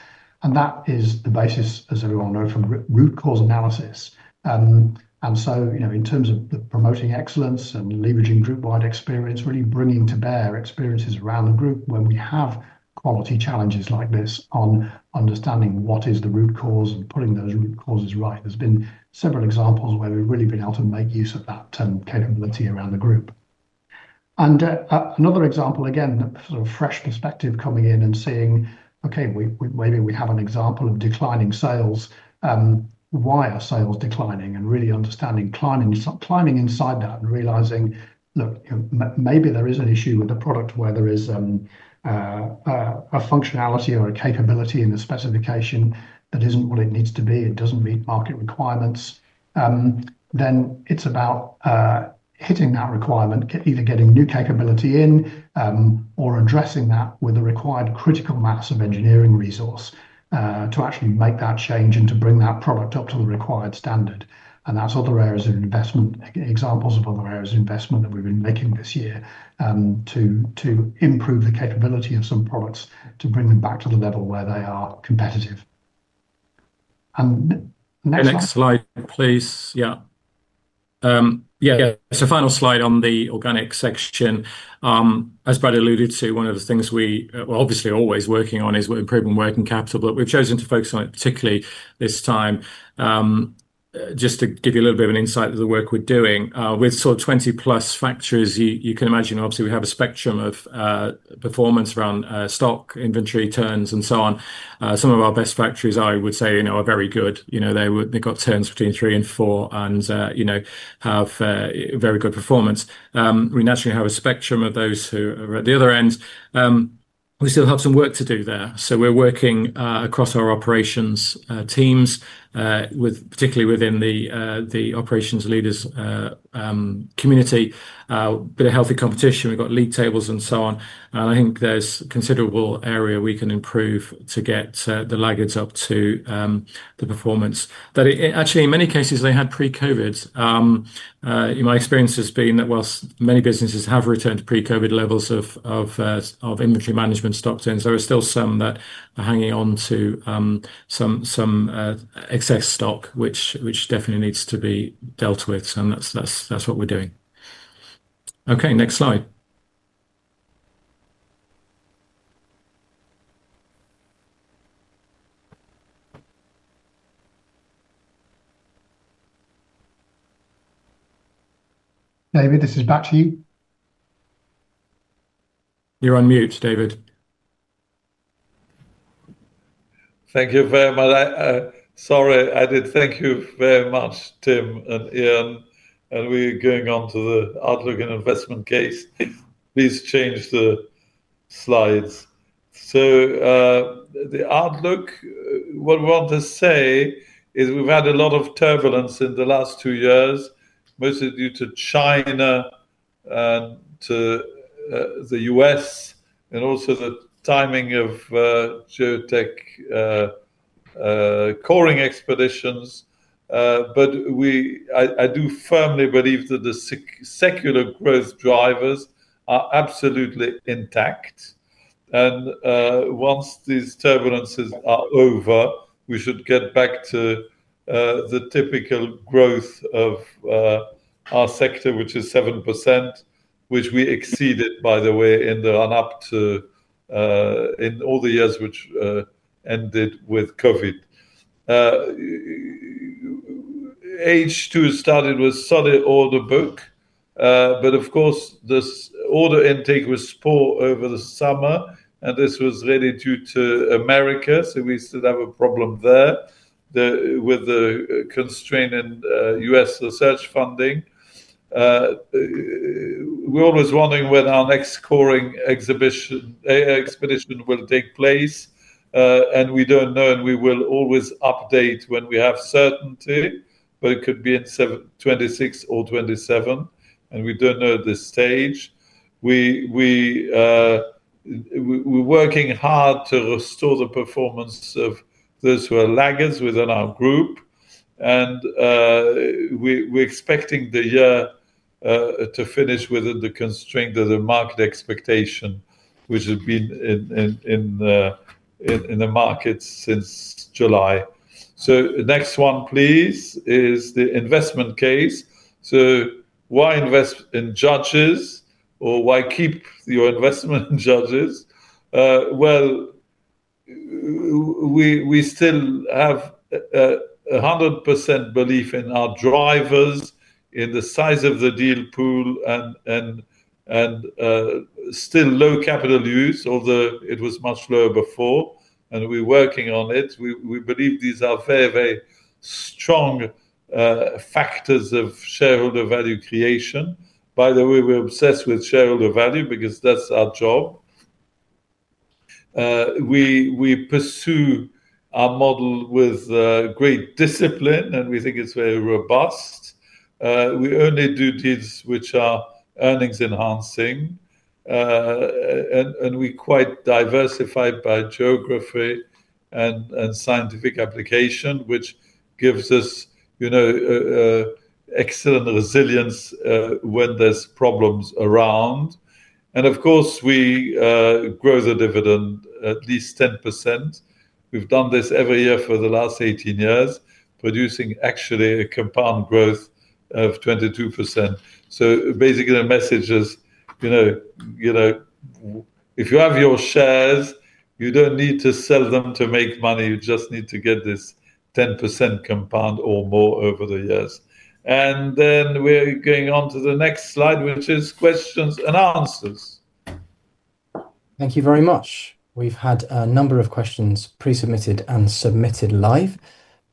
That is the basis, as everyone knows, from root cause analysis. In terms of promoting excellence and leveraging group-wide experience, really bringing to bear experiences around the group when we have quality challenges like this on understanding what is the root cause and putting those root causes right. There have been several examples where we've really been able to make use of that capability around the group. Another example, again, sort of fresh perspective coming in and seeing, okay, maybe we have an example of declining sales. Why are sales declining? Really understanding, climbing inside that and realizing, look, you know, maybe there is an issue with the product where there is a functionality or a capability in the specification that isn't what it needs to be. It doesn't meet market requirements. It's about hitting that requirement, either getting new capability in or addressing that with the required critical mass of engineering resource to actually make that change and to bring that product up to the required standard. These are other areas of investment, examples of other areas of investment that we've been making this year to improve the capability of some products to bring them back to the level where they are competitive.
Next slide, please. Yeah. Yeah, so final slide on the organic section. As Brad alluded to, one of the things we are obviously always working on is improving working capital, but we've chosen to focus on it particularly this time just to give you a little bit of an insight to the work we're doing. With sort of 20 plus factories, you can imagine, obviously, we have a spectrum of performance around stock, inventory turns, and so on. Some of our best factories, I would say, you know, are very good. You know, they've got turns between three and four and, you know, have very good performance. We naturally have a spectrum of those who are at the other end. We still have some work to do there. We are working across our operations teams, particularly within the operations leaders' community. A bit of healthy competition. We've got league tables and so on. I think there's a considerable area we can improve to get the laggards up to the performance that actually, in many cases, they had pre-COVID. In my experience, it's been that whilst many businesses have returned to pre-COVID levels of inventory management stock turns, there are still some that are hanging on to some excess stock, which definitely needs to be dealt with. That's what we're doing. Okay, next slide.
David, this is back to you.
You're on mute, David.
Thank you very much. Thank you very much, Tim and Ian. We're going on to the Outlook and investment case. Please change the slides. The Outlook, what we want to say is we've had a lot of turbulence in the last two years, mostly due to China and to the U.S. and also the timing of Geotech Coring Expeditions. I do firmly believe that the secular growth drivers are absolutely intact. Once these turbulences are over, we should get back to the typical growth of our sector, which is 7%, which we exceeded, by the way, in the run-up to in all the years which ended with COVID. H2 started with solid order book. Of course, this order intake was poor over the summer. This was really due to America. We still have a problem there with the constraint in U.S. research funding. We're always wondering when our next Coring Expedition will take place. We don't know. We will always update when we have certainty. It could be in 2026 or 2027. We don't know at this stage. We're working hard to restore the performance of those who are laggards within our group. We're expecting the year to finish within the constraint of the market expectation, which has been in the market since July. Next one, please, is the investment case. Why invest in Judges or why keep your investment in Judges? We still have 100% belief in our drivers, in the size of the deal pool, and still low capital use, although it was much lower before. We're working on it. We believe these are very, very strong factors of shareholder value creation. By the way, we're obsessed with shareholder value because that's our job. We pursue our model with great discipline, and we think it's very robust. We only do deals which are earnings enhancing. We're quite diversified by geography and scientific application, which gives us excellent resilience when there's problems around. Of course, we grow the dividend at least 10%. We've done this every year for the last 18 years, producing actually a compound growth of 22%. Basically, the message is, if you have your shares, you don't need to sell them to make money. You just need to get this 10% compound or more over the years. We're going on to the next slide, which is questions and answers.
Thank you very much. We've had a number of questions pre-submitted and submitted live.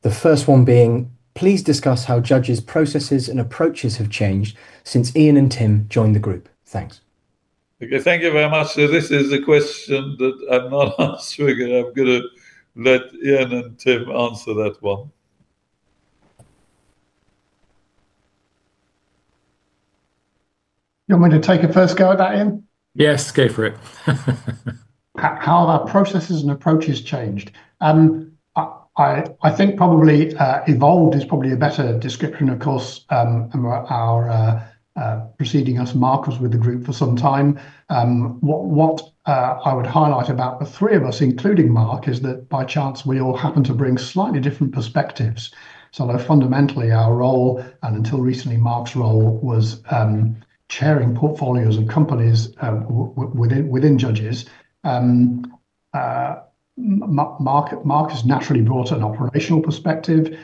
The first one being, please discuss how Judges' processes and approaches have changed since Ian and Tim joined the group. Thanks.
Thank you very much. This is a question that I'm not answering. I'm going to let Ian and Tim answer that one.
You want me to take a first go at that, Ian?
Yes, go for it.
How have our processes and approaches changed? I think probably evolved is probably a better description, of course, and we're our preceding us, Mark was with the group for some time. What I would highlight about the three of us, including Mark, is that by chance we all happen to bring slightly different perspectives. I know fundamentally our role, and until recently, Mark's role was chairing portfolios of companies within Judges. Mark has naturally brought an operational perspective.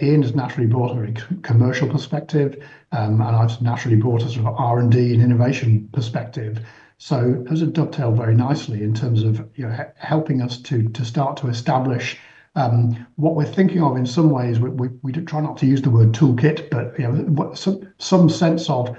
Ian has naturally brought a commercial perspective. I've naturally brought a sort of R&D and innovation perspective. Those are dovetailed very nicely in terms of helping us to start to establish what we're thinking of in some ways. We try not to use the word toolkit, but you know some sense of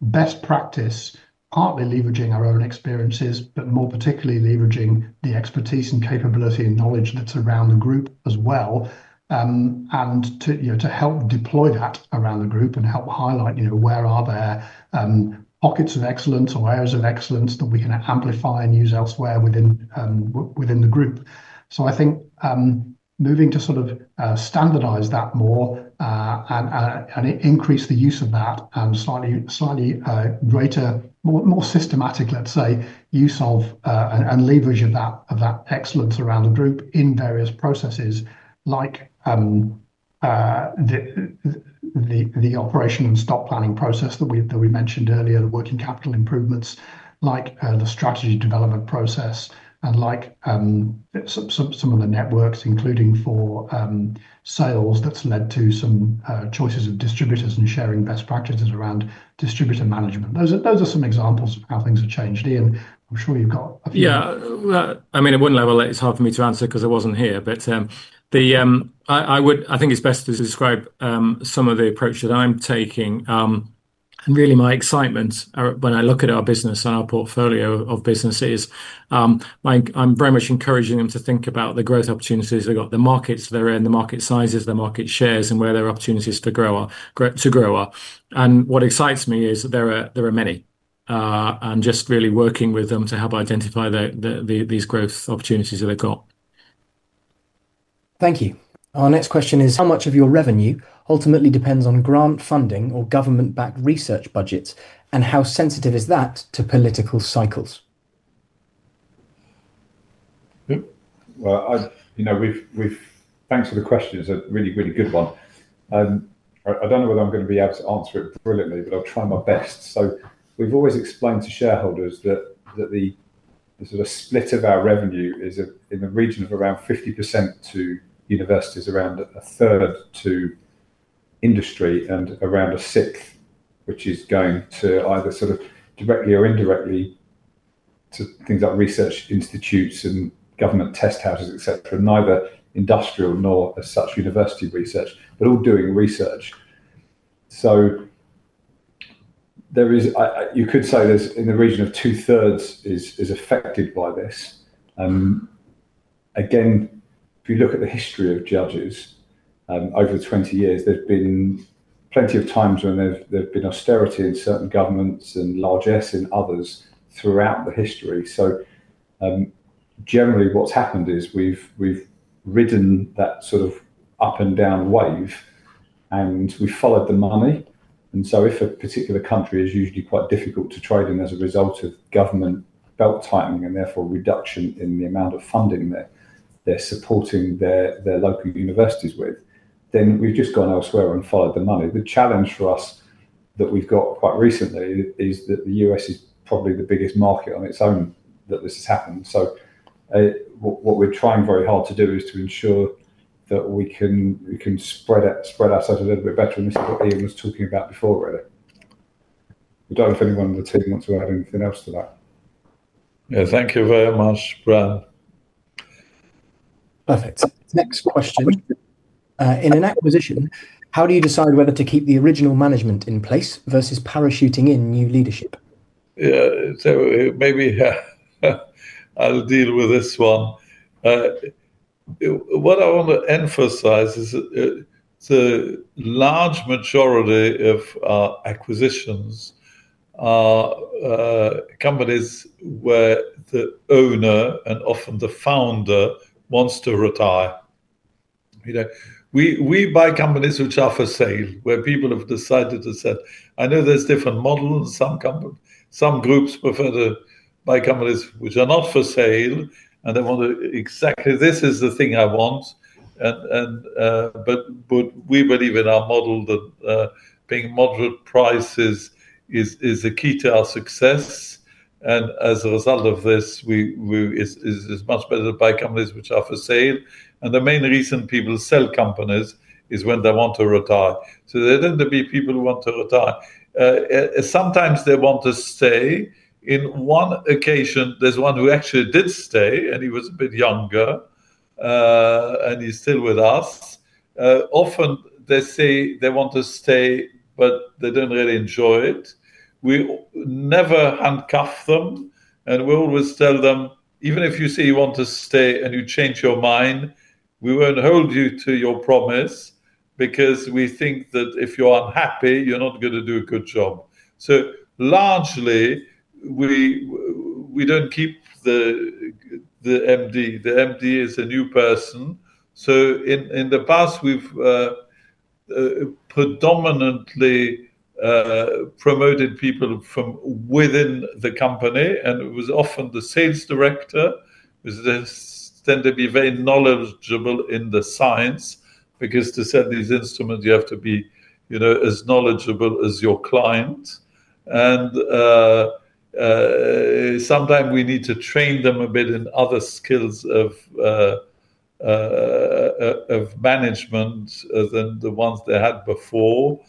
best practice, partly leveraging our own experiences, but more particularly leveraging the expertise and capability and knowledge that's around the group as well. To help deploy that around the group and help highlight, you know, where are there pockets of excellence or areas of excellence that we can amplify and use elsewhere within the group. I think moving to sort of standardize that more and increase the use of that and slightly greater, more systematic, let's say, use of and leverage of that excellence around the group in various processes like the operation and stock planning process that we mentioned earlier, the working capital improvements, like the strategy development process, and like some of the networks, including for sales that's led to some choices of distributors and sharing best practices around distributor management. Those are some examples of how things have changed. Ian, I'm sure you've got.
Yeah, I mean, at one level, it's hard for me to answer because I wasn't here. I think it's best to describe some of the approach that I'm taking. Really, my excitement when I look at our business and our portfolio of businesses, I'm very much encouraging them to think about the growth opportunities they've got, the markets they're in, the market sizes, the market shares, and where their opportunities to grow are. What excites me is there are many. Just really working with them to help identify these growth opportunities that they've got.
Thank you. Our next question is, how much of your revenue ultimately depends on grant funding or government-backed research budgets? How sensitive is that to political cycles?
Thank you for the question. It's a really, really good one. I don't know whether I'm going to be able to answer it brilliantly, but I'll try my best. We've always explained to shareholders that the sort of split of our revenue is in the region of around 50% to universities, around a third to industry, and around a sixth, which is going either sort of directly or indirectly to things like research institutes and government test houses, et cetera. Neither industrial nor as such university research. We're all doing research. You could say this in the region of two-thirds is affected by this. If you look at the history of Judges Scientific PLC, over 20 years, there's been plenty of times when there's been austerity in certain governments and largesse in others throughout the history. Generally, what's happened is we've ridden that sort of up and down wave, and we followed the money. If a particular country is usually quite difficult to trade in as a result of government belt tightening and therefore reduction in the amount of funding they're supporting their local universities with, then we've just gone elsewhere and followed the money. The challenge for us that we've got quite recently is that the US is probably the biggest market on its own that this has happened. What we're trying very hard to do is to ensure that we can spread ourselves a little bit better than this is what Ian Wilcock was talking about before already. I don't know if anyone in the team wants to add anything else to that.
Yeah, thank you very much, Brad.
Perfect. Next question. In an acquisition, how do you decide whether to keep the original management in place versus parachuting in new leadership?
Yeah, maybe I'll deal with this one. What I want to emphasize is the large majority of our acquisitions are companies where the owner and often the founder wants to retire. We buy companies which are for sale, where people have decided to sell. I know there's different models. Some groups prefer to buy companies which are not for sale, and they want to, exactly, this is the thing I want. We believe in our model that being moderate prices is the key to our success. As a result of this, it's much better to buy companies which are for sale. The main reason people sell companies is when they want to retire. There tend to be people who want to retire. Sometimes they want to stay. On one occasion, there's one who actually did stay, and he was a bit younger, and he's still with us. Often, they say they want to stay, but they don't really enjoy it. We never handcuff them, and we always tell them, even if you say you want to stay and you change your mind, we won't hold you to your promise because we think that if you're unhappy, you're not going to do a good job. Largely, we don't keep the MD. The MD is a new person. In the past, we've predominantly promoted people from within the company, and it was often the Sales Director. They tend to be very knowledgeable in the science because to sell these instruments, you have to be as knowledgeable as your client. Sometimes we need to train them a bit in other skills of management than the ones they had before.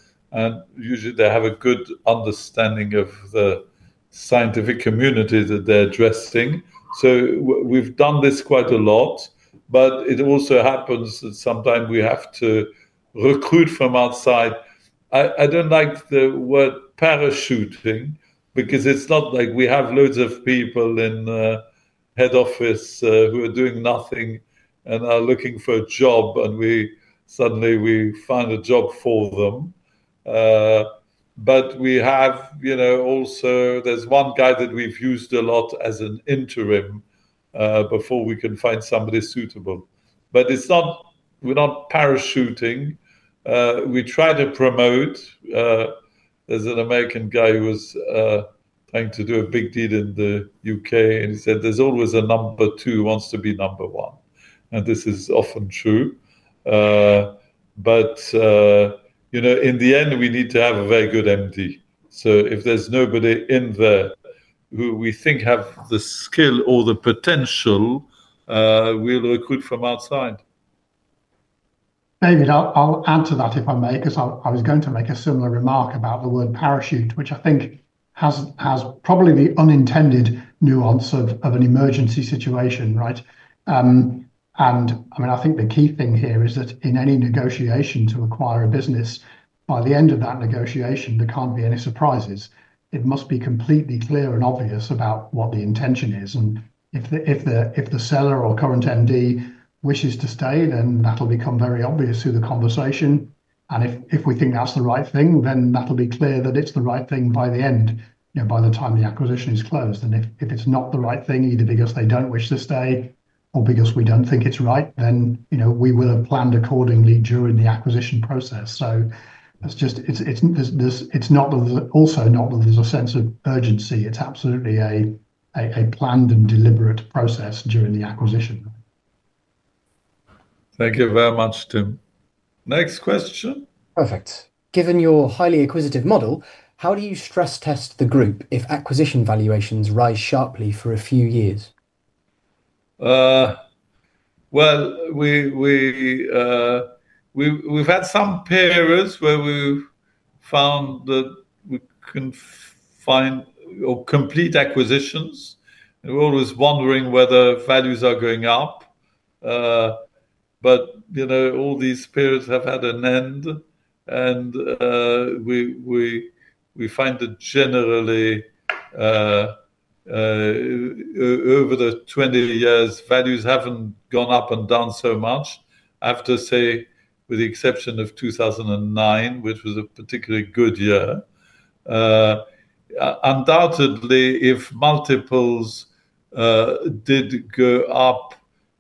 Usually, they have a good understanding of the scientific community that they're addressing. We've done this quite a lot, but it also happens that sometimes we have to recruit from outside. I don't like the word parachuting because it's not like we have loads of people in head office who are doing nothing and are looking for a job, and we suddenly find a job for them. We have, you know, also, there's one guy that we've used a lot as an interim before we can find somebody suitable. It's not, we're not parachuting. We try to promote. There's an American guy who was trying to do a big deal in the UK, and he said there's always a number two who wants to be number one. This is often true. In the end, we need to have a very good MD. If there's nobody in there who we think has the skill or the potential, we'll recruit from outside.
David, I'll answer that if I may, because I was going to make a similar remark about the word parachute, which I think has probably the unintended nuance of an emergency situation, right? I think the key thing here is that in any negotiation to acquire a business, by the end of that negotiation, there can't be any surprises. It must be completely clear and obvious about what the intention is. If the seller or current MD wishes to stay, then that'll become very obvious through the conversation. If we think that's the right thing, then that'll be clear that it's the right thing by the end, by the time the acquisition is closed. If it's not the right thing, either because they don't wish to stay or because we don't think it's right, we will have planned accordingly during the acquisition process. It's not that there's a sense of urgency. It's absolutely a planned and deliberate process during the acquisition.
Thank you very much, Tim. Next question.
Perfect. Given your highly acquisitive model, how do you stress test the group if acquisition valuations rise sharply for a few years?
We've had some periods where we've found that we couldn't find or complete acquisitions. We're always wondering whether values are going up. All these periods have had an end. We find that generally, over the 20 years, values haven't gone up and down so much. I have to say, with the exception of 2009, which was a particularly good year, undoubtedly, if multiples did go up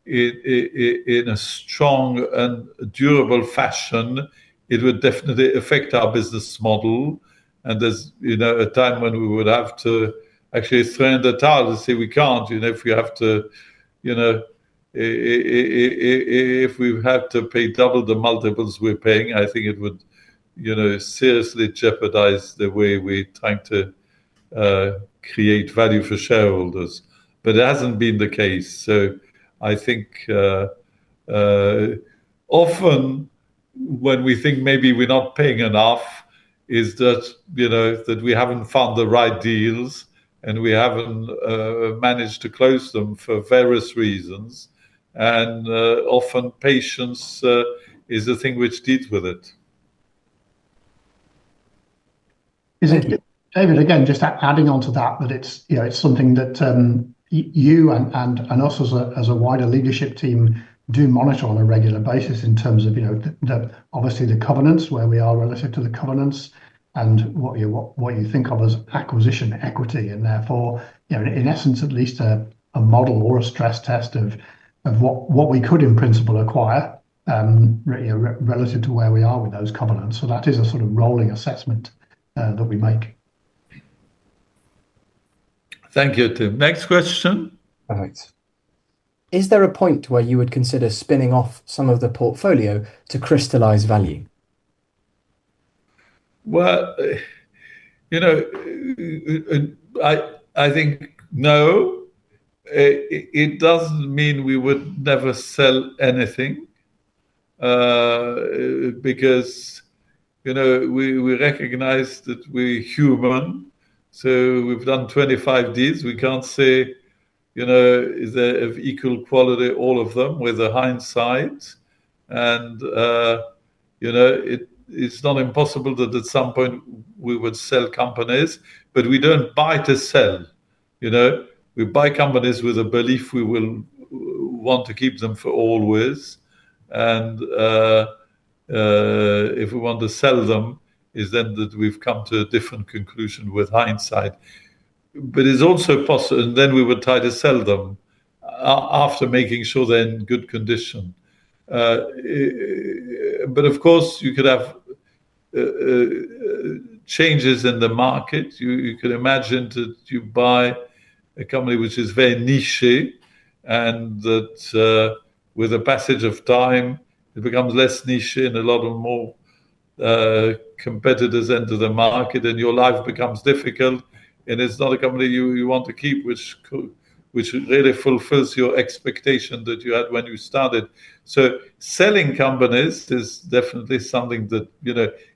in a strong and durable fashion, it would definitely affect our business model. There's a time when we would have to actually throw in the towel to say we can't, if we have to pay double the multiples we're paying, I think it would seriously jeopardize the way we're trying to create value for shareholders. It hasn't been the case. I think often when we think maybe we're not paying enough is that we haven't found the right deals and we haven't managed to close them for various reasons. Often, patience is the thing which deals with it.
David, again, just adding on to that, it's something that you and us as a wider leadership team do monitor on a regular basis in terms of, obviously the covenants, where we are relative to the covenants, and what you think of as acquisition equity. Therefore, in essence, at least a model or a stress test of what we could in principle acquire, relative to where we are with those covenants. That is a sort of rolling assessment that we make.
Thank you, Tim. Next question.
Perfect. Is there a point where you would consider spinning off some of the portfolio to crystallize value?
I think no. It doesn't mean we would never sell anything because we recognize that we're human. We've done 25 deals. We can't say, is there of equal quality all of them with hindsight. It's not impossible that at some point we would sell companies, but we don't buy to sell. We buy companies with a belief we will want to keep them for always. If we want to sell them, it's then that we've come to a different conclusion with hindsight. It's also possible, and then we would try to sell them after making sure they're in good condition. Of course, you could have changes in the market. You could imagine that you buy a company which is very niche, and that with the passage of time, it becomes less niche and a lot more competitors enter the market, and your life becomes difficult. It's not a company you want to keep, which really fulfills your expectation that you had when you started. Selling companies is definitely something that,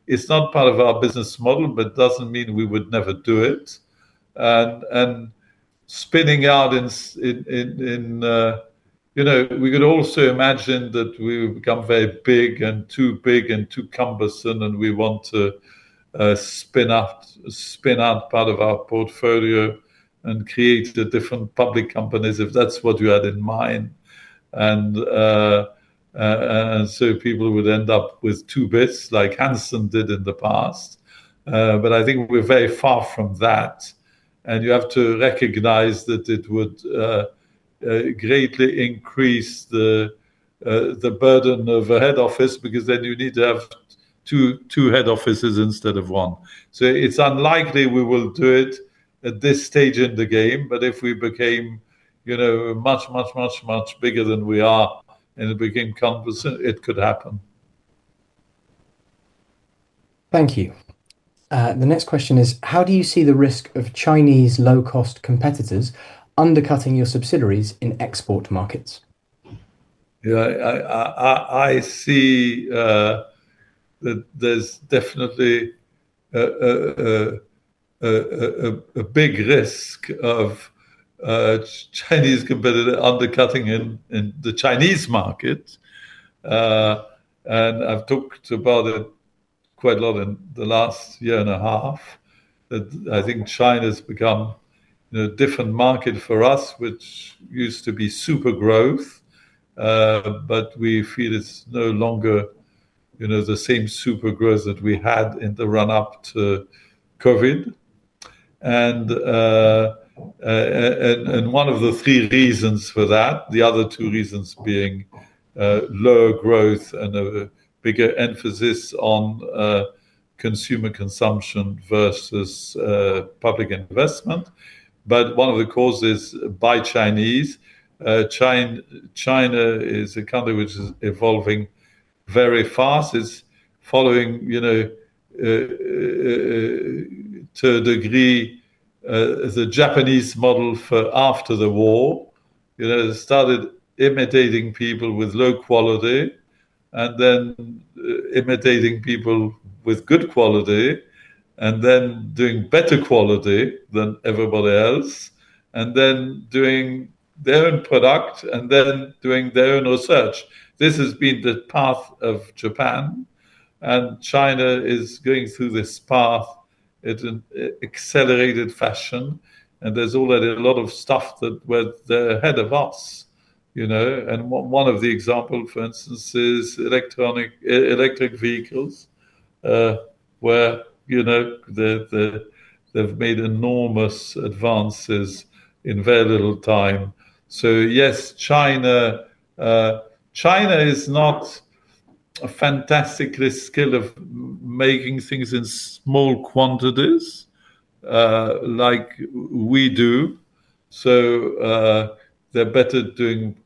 it's not part of our business model, but doesn't mean we would never do it. Spinning out, we could also imagine that we become very big and too big and too cumbersome, and we want to spin out part of our portfolio and create different public companies, if that's what you had in mind. People would end up with two bits like Anderson did in the past. I think we're very far from that. You have to recognize that it would greatly increase the burden of a head office because then you need to have two head offices instead of one. It's unlikely we will do it at this stage in the game, but if we became much, much, much, much bigger than we are and it became cumbersome, it could happen.
Thank you. The next question is, how do you see the risk of Chinese low-cost competitors undercutting your subsidiaries in export markets?
I see that there's definitely a big risk of Chinese competitors undercutting in the Chinese market. I've talked about it quite a lot in the last year and a half that I think China's become a different market for us, which used to be super growth, but we feel it's no longer the same super growth that we had in the run-up to COVID. One of the three reasons for that, the other two reasons being low growth and a bigger emphasis on consumer consumption versus public investment. One of the causes is that China is a country which is evolving very fast. It's following, to a degree, the Japanese model after the war. It started imitating people with low quality and then imitating people with good quality and then doing better quality than everybody else and then doing their own product and then doing their own research. This has been the path of Japan, and China is going through this path in an accelerated fashion. There's already a lot of stuff that went ahead of us. One of the examples, for instance, is electric vehicles, where they've made enormous advances in very little time. Yes, China is not a fantastic skill of making things in small quantities like we do. They're better doing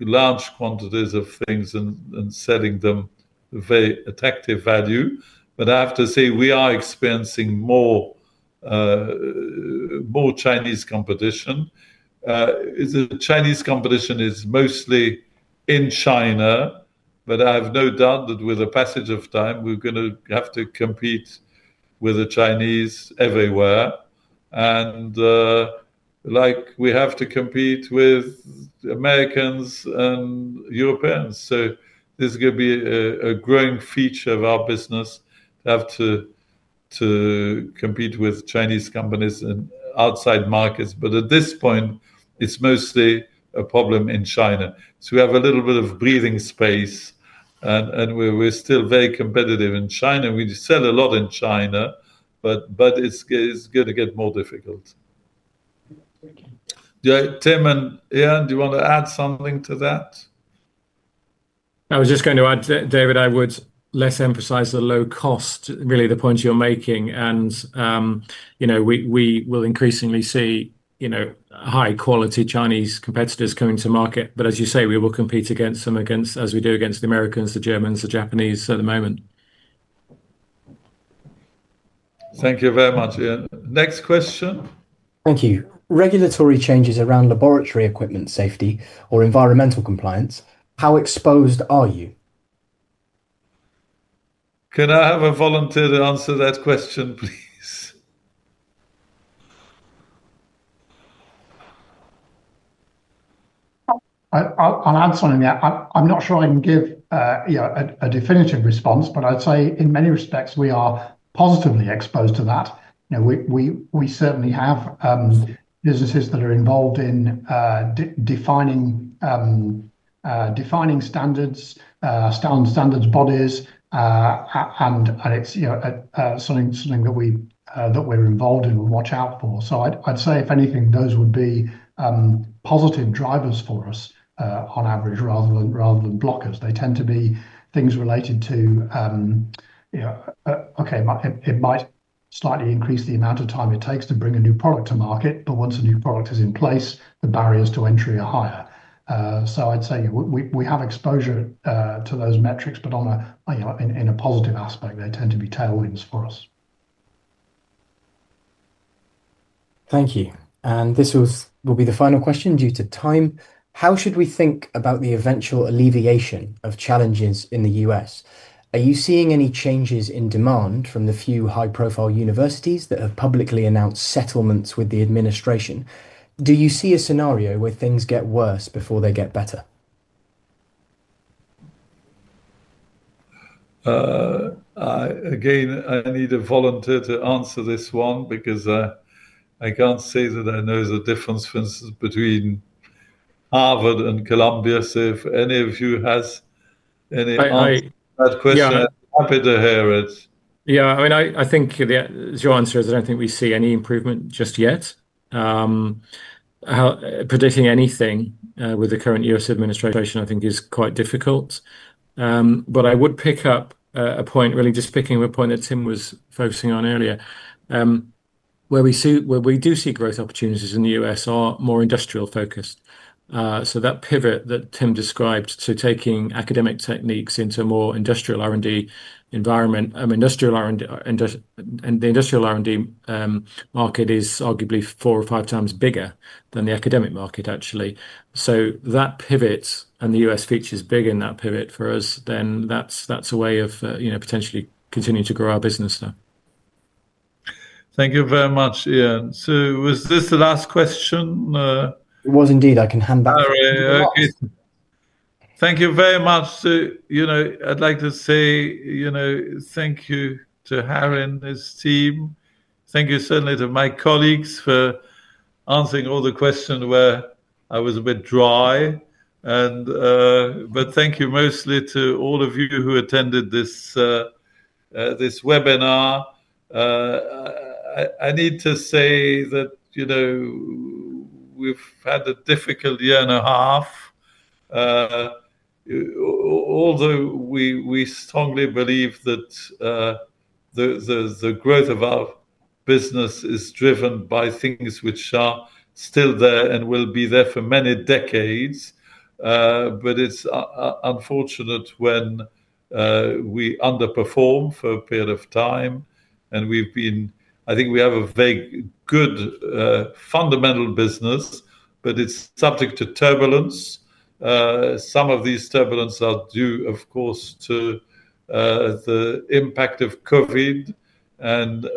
large quantities of things and selling them at very attractive value. I have to say we are experiencing more Chinese competition. The Chinese competition is mostly in China, but I have no doubt that with the passage of time, we're going to have to compete with the Chinese everywhere, like we have to compete with Americans and Europeans. This is going to be a growing feature of our business to have to compete with Chinese companies in outside markets. At this point, it's mostly a problem in China. We have a little bit of breathing space, and we're still very competitive in China. We sell a lot in China, but it's going to get more difficult. Tim and Ian, do you want to add something to that?
I was just going to add, David, I would less emphasize the low cost, really the point you're making. You know, we will increasingly see high-quality Chinese competitors coming to market. As you say, we will compete against them as we do against the Americans, the Germans, the Japanese at the moment.
Thank you very much, Ian. Next question.
Thank you. Regulatory changes around laboratory equipment safety or environmental compliance, how exposed are you?
Can I have a volunteer to answer that question, please?
I'll answer on that. I'm not sure I can give, you know, a definitive response, but I'd say in many respects, we are positively exposed to that. We certainly have businesses that are involved in defining. Standards, standards bodies, and it's something that we're involved in and watch out for. I'd say, if anything, those would be positive drivers for us on average rather than blockers. They tend to be things related to, you know, it might slightly increase the amount of time it takes to bring a new product to market, but once a new product is in place, the barriers to entry are higher. I'd say we have exposure to those metrics, but in a positive aspect, they tend to be tailwinds for us.
Thank you. This will be the final question due to time. How should we think about the eventual alleviation of challenges in the U.S.? Are you seeing any changes in demand from the few high-profile universities that have publicly announced settlements with the administration? Do you see a scenario where things get worse before they get better?
Again, I need a volunteer to answer this one because I can't say that I know the difference between Harvard and Columbia. If any of you has any questions, happy to hear it.
Yeah, I mean, I think as your answer is that I don't think we see any improvement just yet. Predicting anything with the current U.S. administration, I think, is quite difficult. I would pick up a point, really just picking up a point that Tim was focusing on earlier. Where we do see growth opportunities in the U.S. are more industrial-focused. That pivot that Tim described to taking academic techniques into a more industrial R&D environment, and the industrial R&D market is arguably four or five times bigger than the academic market, actually. That pivots, and the U.S. features big in that pivot for us, then that's a way of, you know, potentially continuing to grow our business there.
Thank you very much, Ian. Was this the last question?
It was indeed. I can hand back.
Thank you very much. I'd like to say thank you to Harry, his team. Thank you certainly to my colleagues for answering all the questions where I was a bit dry. Thank you mostly to all of you who attended this webinar. I need to say that we've had a difficult year and a half, although we strongly believe that the growth of our business is driven by things which are still there and will be there for many decades. It's unfortunate when we underperform for a period of time. I think we have a very good, fundamental business, but it's subject to turbulence. Some of this turbulence is due, of course, to the impact of COVID and the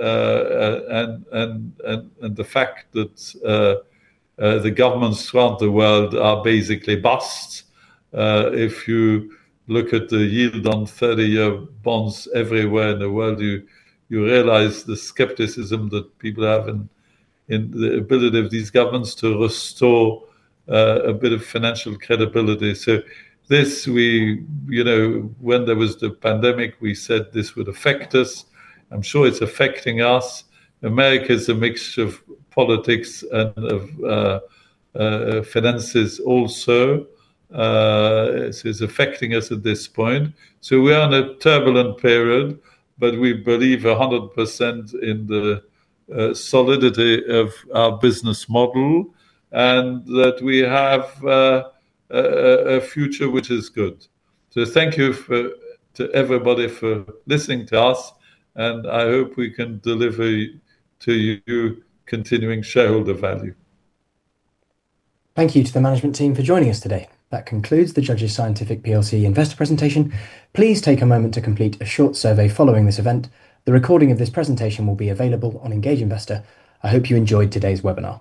fact that governments around the world are basically bust. If you look at the yield on 30-year bonds everywhere in the world, you realize the skepticism that people have in the ability of these governments to restore a bit of financial credibility. When there was the pandemic, we said this would affect us. I'm sure it's affecting us. America is a mixture of politics and of finances also. This is affecting us at this point. We are in a turbulent period, but we believe 100% in the solidity of our business model and that we have a future which is good. Thank you to everybody for listening to us. I hope we can deliver to you continuing shareholder value.
Thank you to the management team for joining us today. That concludes the Judges Scientific PLC Investor presentation. Please take a moment to complete a short survey following this event. The recording of this presentation will be available on Engage Investor. I hope you enjoyed today's webinar.